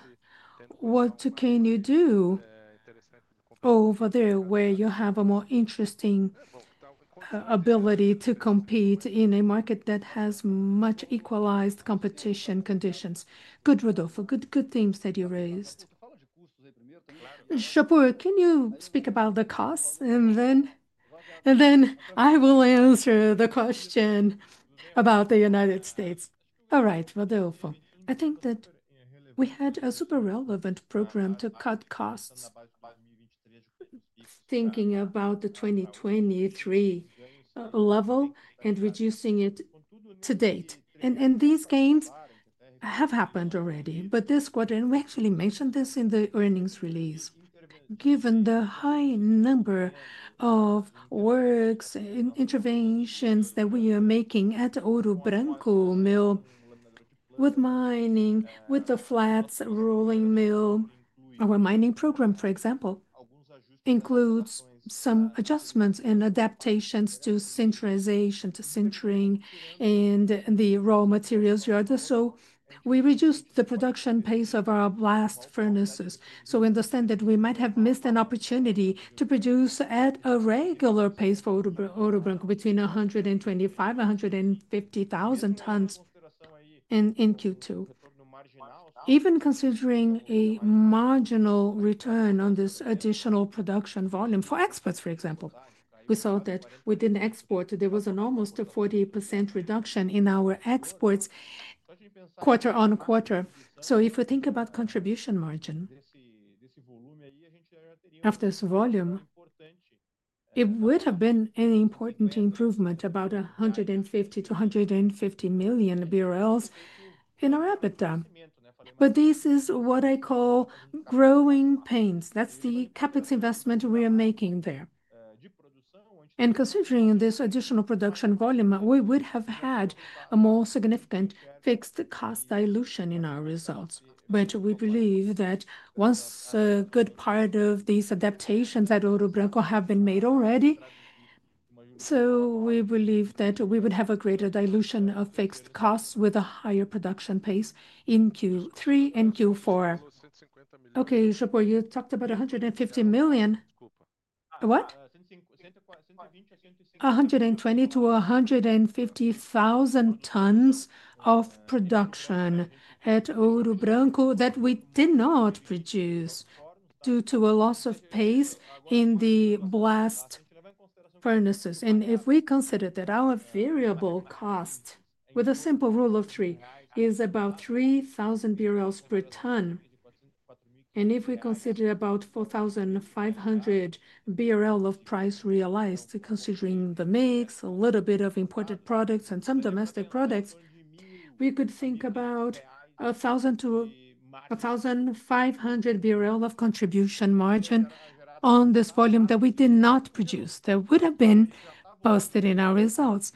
what can you do over there where you have a more interesting ability to compete in a market that has much equalized competition conditions? Good, Rodolfo. Good, good themes that you raised. Japur, can you speak about the costs? Then I will answer the question about the United States. All right, Rodolfo. I think that we had a super relevant program to cut costs thinking about the 2023 level and reducing it to date. These gains have happened already, but this quarter, and we actually mentioned this in the earnings release, given the high number of works and interventions that we are making at Ouro Branco Mill with mining, with the flats rolling mill. Our mining program, for example, includes some adjustments and adaptations to sinterization, to sintering and the raw materials yards. We reduced the production pace of our blast furnaces. We understand that we might have missed an opportunity to produce at a regular pace for Ouro Branco between 125,000-150,000 tons in Q2. Even considering a marginal return on this additional production volume for exports, for example, we saw that within export, there was an almost 40% reduction in our exports quarter on quarter. If we think about contribution margin, after this volume, it would have been an important improvement, about 150 million BRL in our EBITDA. This is what I call growing pains. That is the CapEx investment we are making there. Considering this additional production volume, we would have had a more significant fixed cost dilution in our results. We believe that once a good part of these adaptations at Ouro Branco have been made already, we would have a greater dilution of fixed costs with a higher production pace in Q3 and Q4. Okay, Japur, you talked about 150 million. What? 120,000-150,000 tons of production at Ouro Branco that we did not produce due to a loss of pace in the blast furnaces. If we consider that our variable cost with a simple rule of three is about 3,000 BRL per ton, and if we consider about 4,500 BRL of price realized, considering the mix, a little bit of imported products, and some domestic products, we could think about 1,000-1,500 BRL of contribution margin on this volume that we did not produce that would have been posted in our results.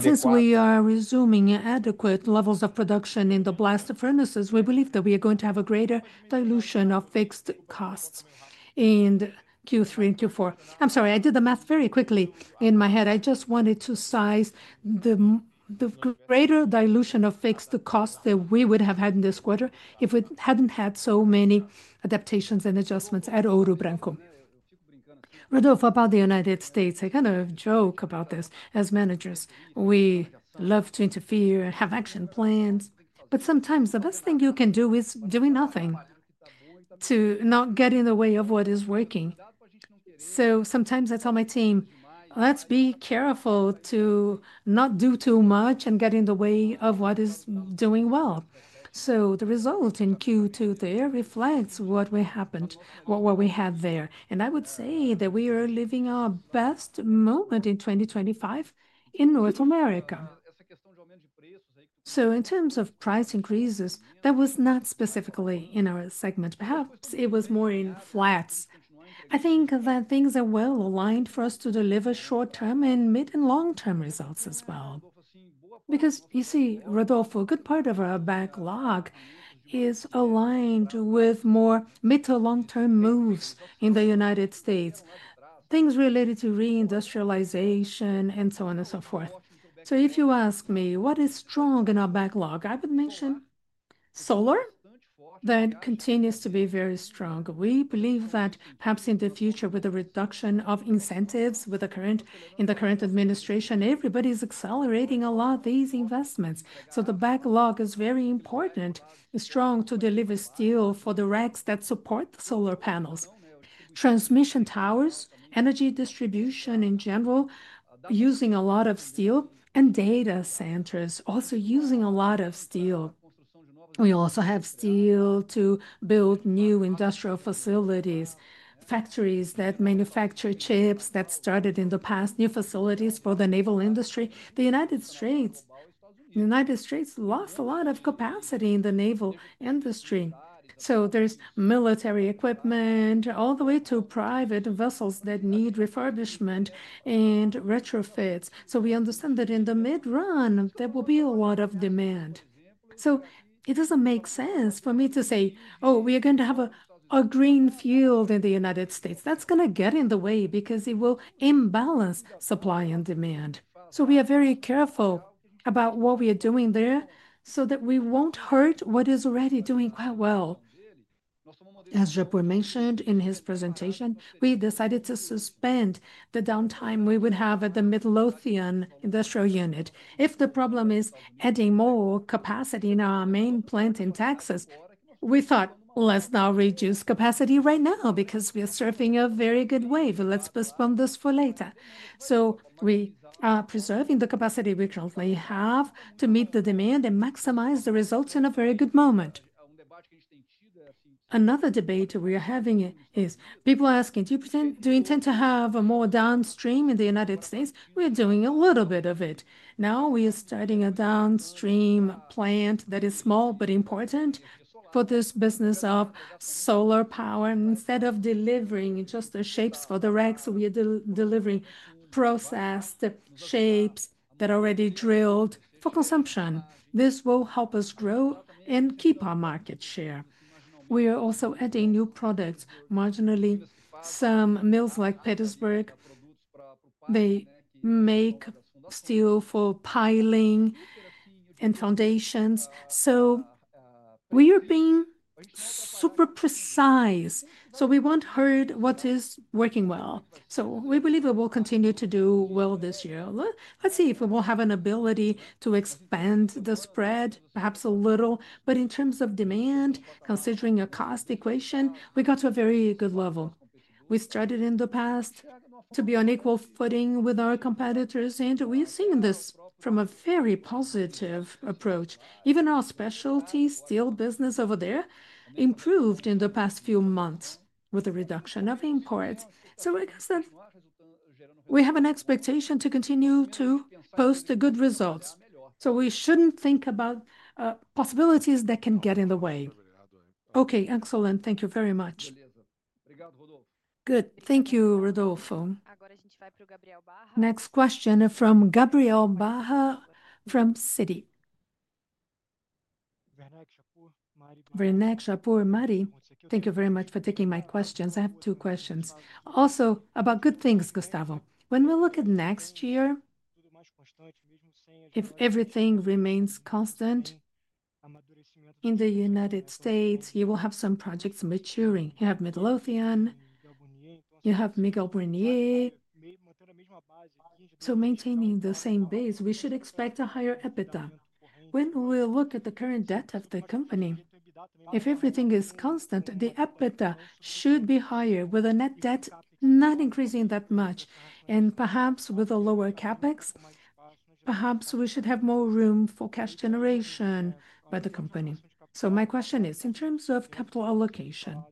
Since we are resuming adequate levels of production in the blast furnaces, we believe that we are going to have a greater dilution of fixed costs in Q3 and Q4. I'm sorry. I did the math very quickly in my head. I just wanted to size the greater dilution of fixed costs that we would have had in this quarter if we hadn't had so many adaptations and adjustments at Ouro Branco. Rodolfo, about the United States, I kind of joke about this. As managers, we love to interfere, have action plans, but sometimes the best thing you can do is doing nothing to not get in the way of what is working. Sometimes I tell my team, let's be careful to not do too much and get in the way of what is doing well. The result in Q2 there reflects what happened, what we had there. I would say that we are living our best moment in 2025 in North America. In terms of price increases, that was not specifically in our segment. Perhaps it was more in flats. I think that things are well aligned for us to deliver short-term and mid and long-term results as well. Because you see, Rodolfo, a good part of our backlog is aligned with more mid to long-term moves in the U.S., things related to reindustrialization and so on and so forth. If you ask me what is strong in our backlog, I would mention solar that continues to be very strong. We believe that perhaps in the future, with the reduction of incentives in the current administration, everybody is accelerating a lot of these investments. The backlog is very important, is strong to deliver steel for the racks that support the solar panels, transmission towers, energy distribution in general, using a lot of steel, and data centers also using a lot of steel. We also have steel to build new industrial facilities, factories that manufacture chips that started in the past, new facilities for the naval industry. The U.S. lost a lot of capacity in the naval industry. There is military equipment all the way to private vessels that need refurbishment and retrofits. We understand that in the mid-run, there will be a lot of demand. It doesn't make sense for me to say, oh, we are going to have a greenfield in the U.S. That's going to get in the way because it will imbalance supply and demand. We are very careful about what we are doing there so that we won't hurt what is already doing quite well. As Japur mentioned in his presentation, we decided to suspend the downtime we would have at the Midlothian industrial unit. If the problem is adding more capacity in our main plant in Texas, we thought, let's not reduce capacity right now because we are surfing a very good wave. Let's postpone this for later. We are preserving the capacity we currently have to meet the demand and maximize the results in a very good moment. Another debate we are having is people asking, do you intend to have more downstream in the U.S.? We are doing a little bit of it. Now we are starting a downstream plant that is small but important for this business of solar power. Instead of delivering just the shapes for the racks, we are delivering processed shapes that are already drilled for consumption. This will help us grow and keep our market share. We are also adding new products, marginally some mills like Petersburg. They make steel for piling and foundations. We are being super precise. We want to hear what is working well. We believe it will continue to do well this year. Let's see if we will have an ability to expand the spread, perhaps a little. In terms of demand, considering a cost equation, we got to a very good level. We started in the past to be on equal footing with our competitors, and we've seen this from a very positive approach. Even our special steel business over there improved in the past few months with the reduction of imports. I guess that we have an expectation to continue to post good results. We shouldn't think about possibilities that can get in the way. Okay. Excellent. Thank you very much. Good. Thank you, Rodolfo. Next question from Gabriel Barra from Citi. Werneck, Japur, Mariana, thank you very much for taking my questions. I have two questions. Also, about good things, Gustavo. When we look at next year, if everything remains constant in the United States, you will have some projects maturing. You have Midlothian. You have Miguel Burnier. Maintaining the same base, we should expect a higher EBITDA. When we look at the current debt of the company, if everything is constant, the EBITDA should be higher with a net debt not increasing that much. Perhaps with a lower CapEx, perhaps we should have more room for cash generation by the company. My question is, in terms of capital allocation,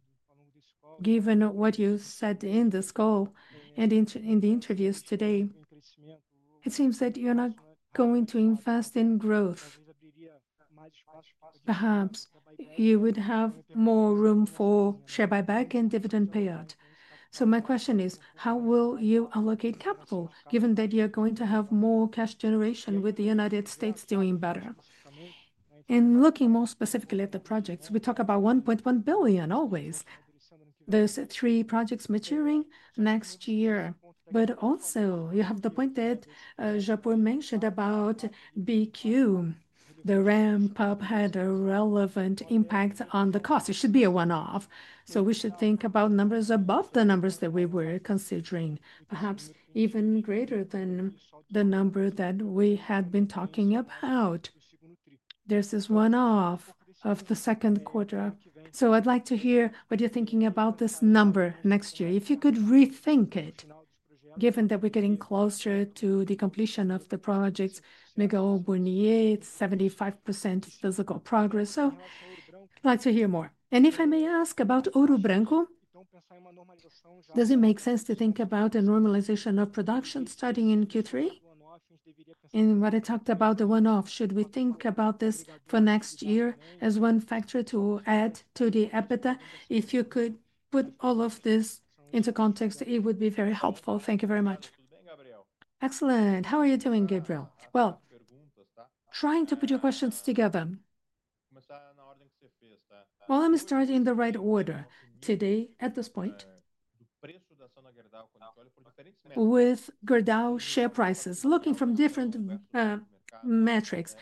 given what you said in this call and in the interviews today, it seems that you're not going to invest in growth. Perhaps you would have more room for share buyback and dividend payout. My question is, how will you allocate capital, given that you're going to have more cash generation with the United States doing better? Looking more specifically at the projects, we talk 1.1 billion always. There's three projects maturing next year. Also, you have the point that Japur mentioned about BQ. The ramp-up had a relevant impact on the cost. It should be a one-off. We should think about numbers above the numbers that we were considering, perhaps even greater than the number that we had been talking about. There's this one-off of the second quarter. I'd like to hear what you're thinking about this number next year. If you could rethink it, given that we're getting closer to the completion of the projects, Miguel Burnier, 75% physical progress. I'd like to hear more. If I may ask about Ouro Branco, does it make sense to think about a normalization of production starting in Q3? What I talked about, the one-off, should we think about this for next year as one factor to add to the EBITDA if you could put all of this into context? Would be very helpful, thank you very much. Excellent, how are you doing, Gabriel? Trying to put your questions together. Let me start in the right order. Today, at this point, With Gerdau share prices, looking from different metrics,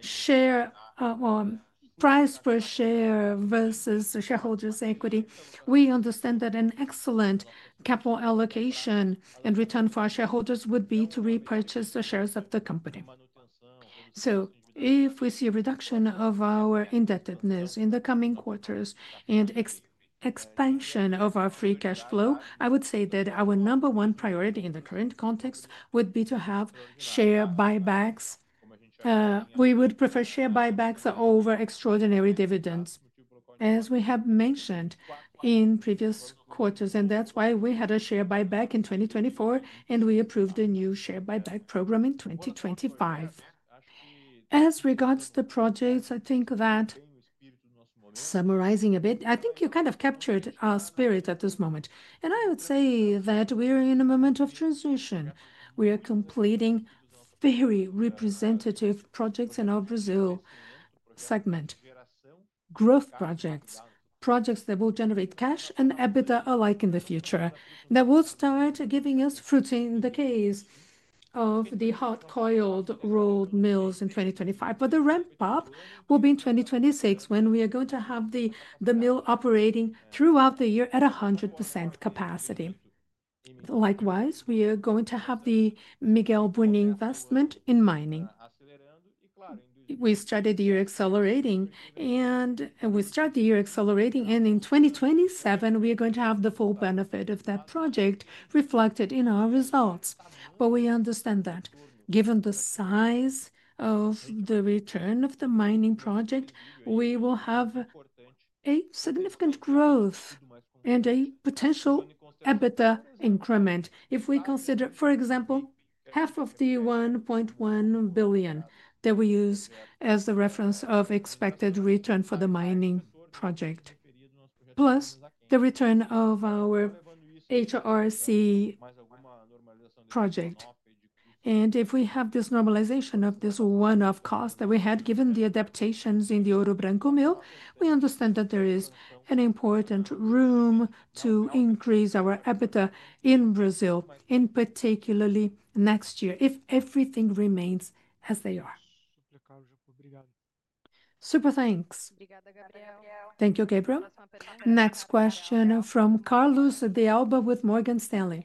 share, well, price per share versus shareholders' equity, we understand that an excellent capital allocation and return for our shareholders would be to repurchase the shares of the company. If we see a reduction of our indebtedness in the coming quarters and expansion of our free cash flow, I would say that our number one priority in the current context would be to have share buybacks. We would prefer share buybacks over extraordinary dividends, as we have mentioned in previous quarters, and that's why we had a share buyback in 2024 and we approved a new share buyback program in 2025. As regards to the projects, I think that, summarizing a bit, I think you kind of captured our spirit at this moment. I would say that we are in a moment of transition. We are completing very representative projects in our Brazil segment, growth projects, projects that will generate cash and EBITDA alike in the future, that will start giving us fruit in the case of the hot-coiled rolled mills in 2025. The ramp-up will be in 2026, when we are going to have the mill operating throughout the year at 100% capacity. Likewise, we are going to have the Miguel Burnier investment in mining. We started the year accelerating, and in 2027, we are going to have the full benefit of that project reflected in our results. We understand that, given the size of the return of the mining project, we will have a significant growth and a potential EBITDA increment if we consider, for example, half of the 1.1 billion that we use as the reference of expected return for the mining project, plus the return of our HRC project. If we have this normalization of this one-off cost that we had, given the adaptations in the Ouro Branco mill, we understand that there is an important room to increase our EBITDA in Brazil, particularly next year, if everything remains as they are. Super thanks. Thank you, Gabriel. Next question from Carlos de Alba with Morgan Stanley.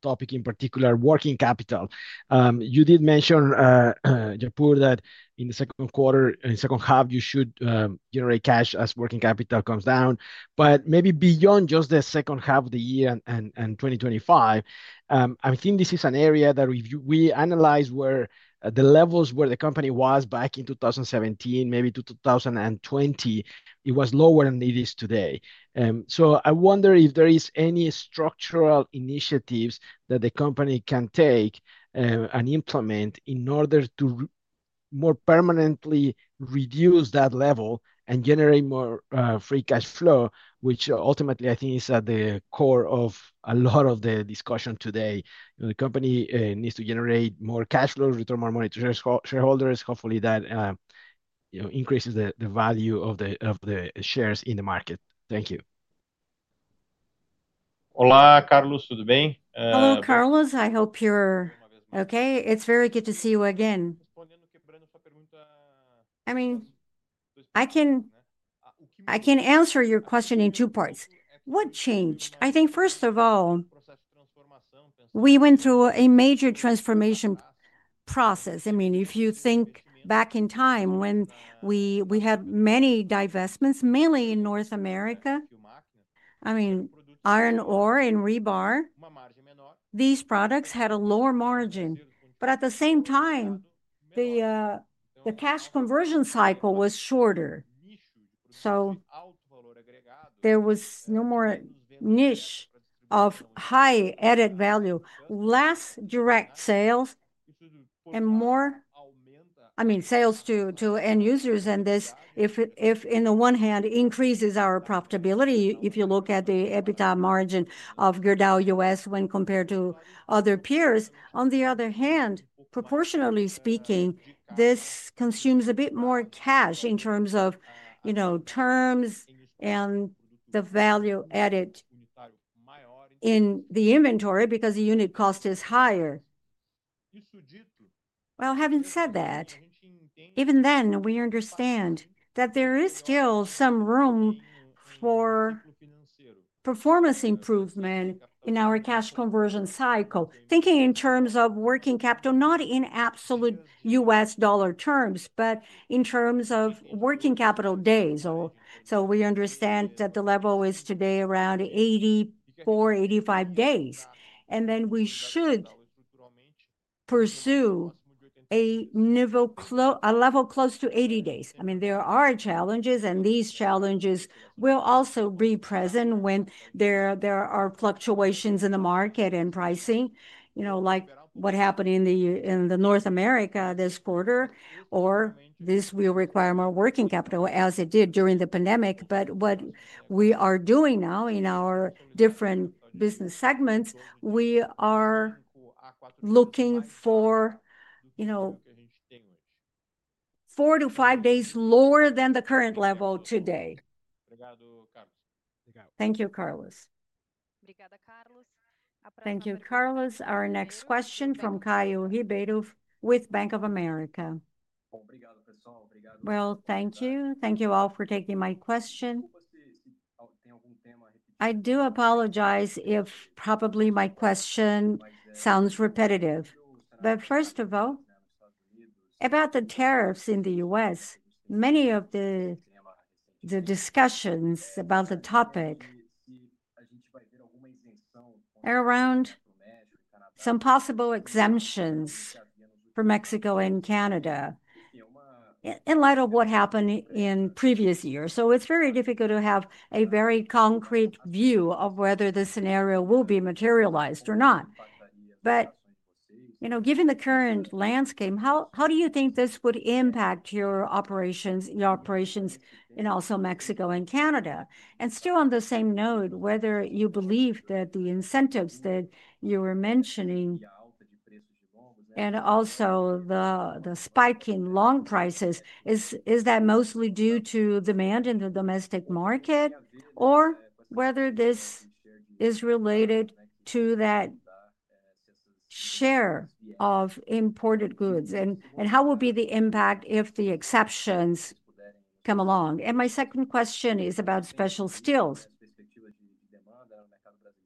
Thank you very much, Mariana. Hello, Gustavo, Rafael. I want to ask about one topic in particular, working capital. You did mention, Japur, that in the second quarter, in the second half, you should generate cash as working capital comes down. Maybe beyond just the second half of the year and 2025, I think this is an area that we analyze where the levels where the company was back in 2017, maybe to 2020, it was lower than it is today. I wonder if there are any structural initiatives that the company can take and implement in order to more permanently reduce that level and generate more free cash flow, which ultimately I think is at the core of a lot of the discussion today. The company needs to generate more cash flow, return more money to shareholders. Hopefully, that increases the value of the shares in the market. Thank you. Hello, Carlos. I hope you're okay. It's very good to see you again. I can answer your question in two parts. What changed? First of all, we went through a major transformation process. If you think back in time when we had many divestments, mainly in North America, iron ore and rebar, these products had a lower margin. At the same time, the cash conversion cycle was shorter. There was no more niche of high added value, less direct sales, and more, I mean, sales to end users. This, if on the one hand, increases our profitability, if you look at the EBITDA margin of Gerdau U.S. when compared to other peers, on the other hand, proportionately speaking, this consumes a bit more cash in terms of, you know, terms and the value added in the inventory because the unit cost is higher. Having said that, even then, we understand that there is still some room for performance improvement in our cash conversion cycle, thinking in terms of working capital, not in absolute U.S. dollar terms, but in terms of working capital days. We understand that the level is today around 84, 85 days, and we should pursue a level close to 80 days. There are challenges, and these challenges will also be present when there are fluctuations in the market and pricing, you know, like what happened in North America this quarter, or this will require more working capital as it did during the pandemic. What we are doing now in our different business segments, we are looking for, you know, 4-5 days lower than the current level today. Thank you, Carlos. Our next question from Caio Ribeiro with Bank of America. Thank you. Thank you all for taking my question. I do apologize if probably my question sounds repetitive. First of all, about the tariffs in the U.S., many of the discussions about the topic are around some possible exemptions for Mexico and Canada in light of what happened in previous years. It is very difficult to have a very concrete view of whether this scenario will be materialized or not. Given the current landscape, how do you think this would impact your operations in also Mexico and Canada? Still on the same note, whether you believe that the incentives that you were mentioning and also the spike in long prices, is that mostly due to demand in the domestic market or whether this is related to that share of imported goods? How will be the impact if the exceptions come along? My second question is about special steel.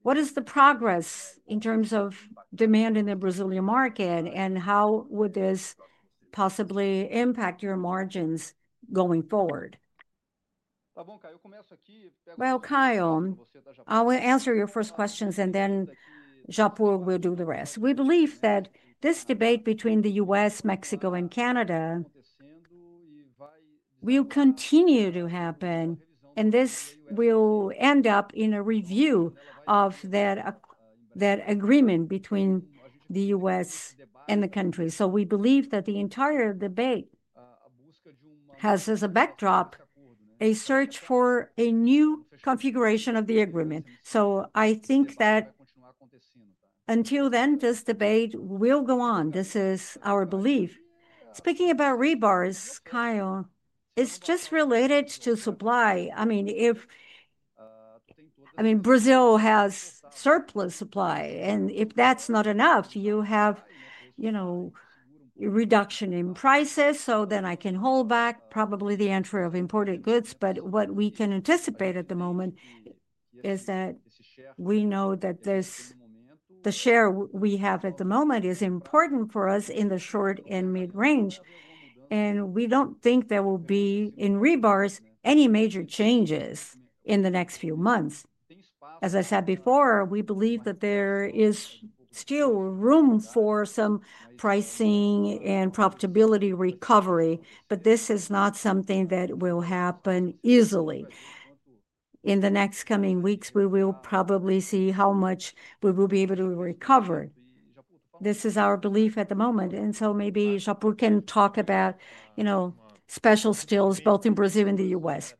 What is the progress in terms of demand in the Brazilian market and how would this possibly impact your margins going forward? Caio, I'll answer your first questions and then Japur will do the rest. We believe that this debate between the U.S., Mexico, and Canada will continue to happen and this will end up in a review of that agreement between the U.S. and the country. We believe that the entire debate has as a backdrop a search for a new configuration of the agreement. I think that until then, this debate will go on. This is our belief. Speaking about rebars, Caio, it's just related to supply. Brazil has surplus supply and if that's not enough, you have a reduction in prices. I can hold back probably the entry of imported goods. What we can anticipate at the moment is that we know that the share we have at the moment is important for us in the short and mid-range. We don't think there will be in rebars any major changes in the next few months. As I said before, we believe that there is still room for some pricing and profitability recovery, but this is not something that will happen easily. In the next coming weeks, we will probably see how much we will be able to recover. This is our belief at the moment. Maybe Japur can talk about special steel both in Brazil and the U.S.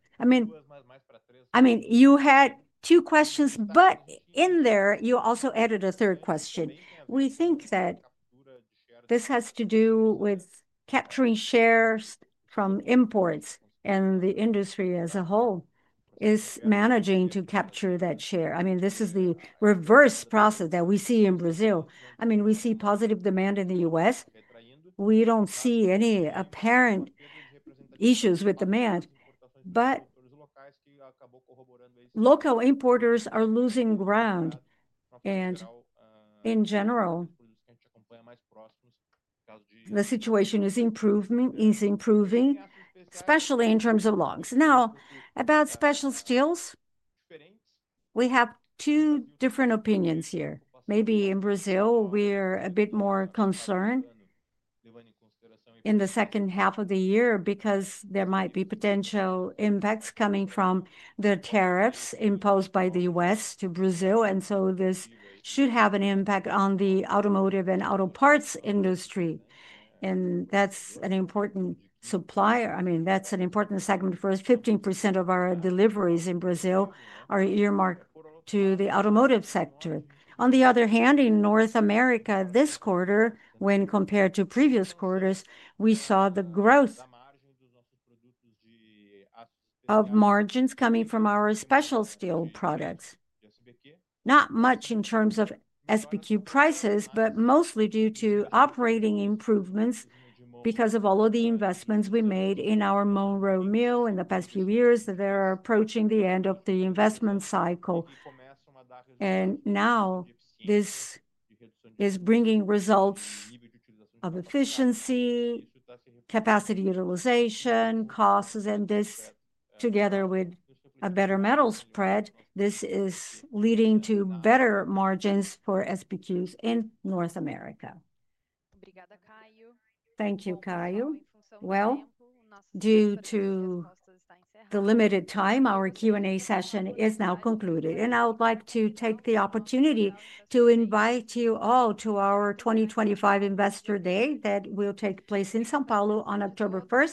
You had two questions, but in there, you also added a third question. We think that this has to do with capturing shares from imports and the industry as a whole is managing to capture that share. This is the reverse process that we see in Brazil. We see positive demand in the U.S. We don't see any apparent issues with demand. Local importers are losing ground. In general, the situation is improving, especially in terms of longs. Now, about special steel, we have two different opinions here. Maybe in Brazil, we're a bit more concerned in the second half of the year because there might be potential impacts coming from the tariffs imposed by the U.S. to Brazil. This should have an impact on the automotive and auto parts industry. That's an important supplier. That's an important segment. For 15% of our deliveries in Brazil are earmarked to the automotive sector. On the other hand, in North America, this quarter, when compared to previous quarters, we saw the growth of margins coming from our special steel products. Not much in terms of SBQ prices, but mostly due to operating improvements because of all of the investments we made in our Monroe Mill in the past few years. They're approaching the end of the investment cycle. Now this is bringing results of efficiency, capacity utilization, costs, and this, together with a better metal spread, is leading to better margins for SBQs in North America. Thank you, Caio. Due to the limited time, our Q&A session is now concluded. I would like to take the opportunity to invite you all to our 2025 Investor Day that will take place in São Paulo on October 1.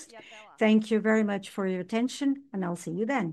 Thank you very much for your attention, and I'll see you then.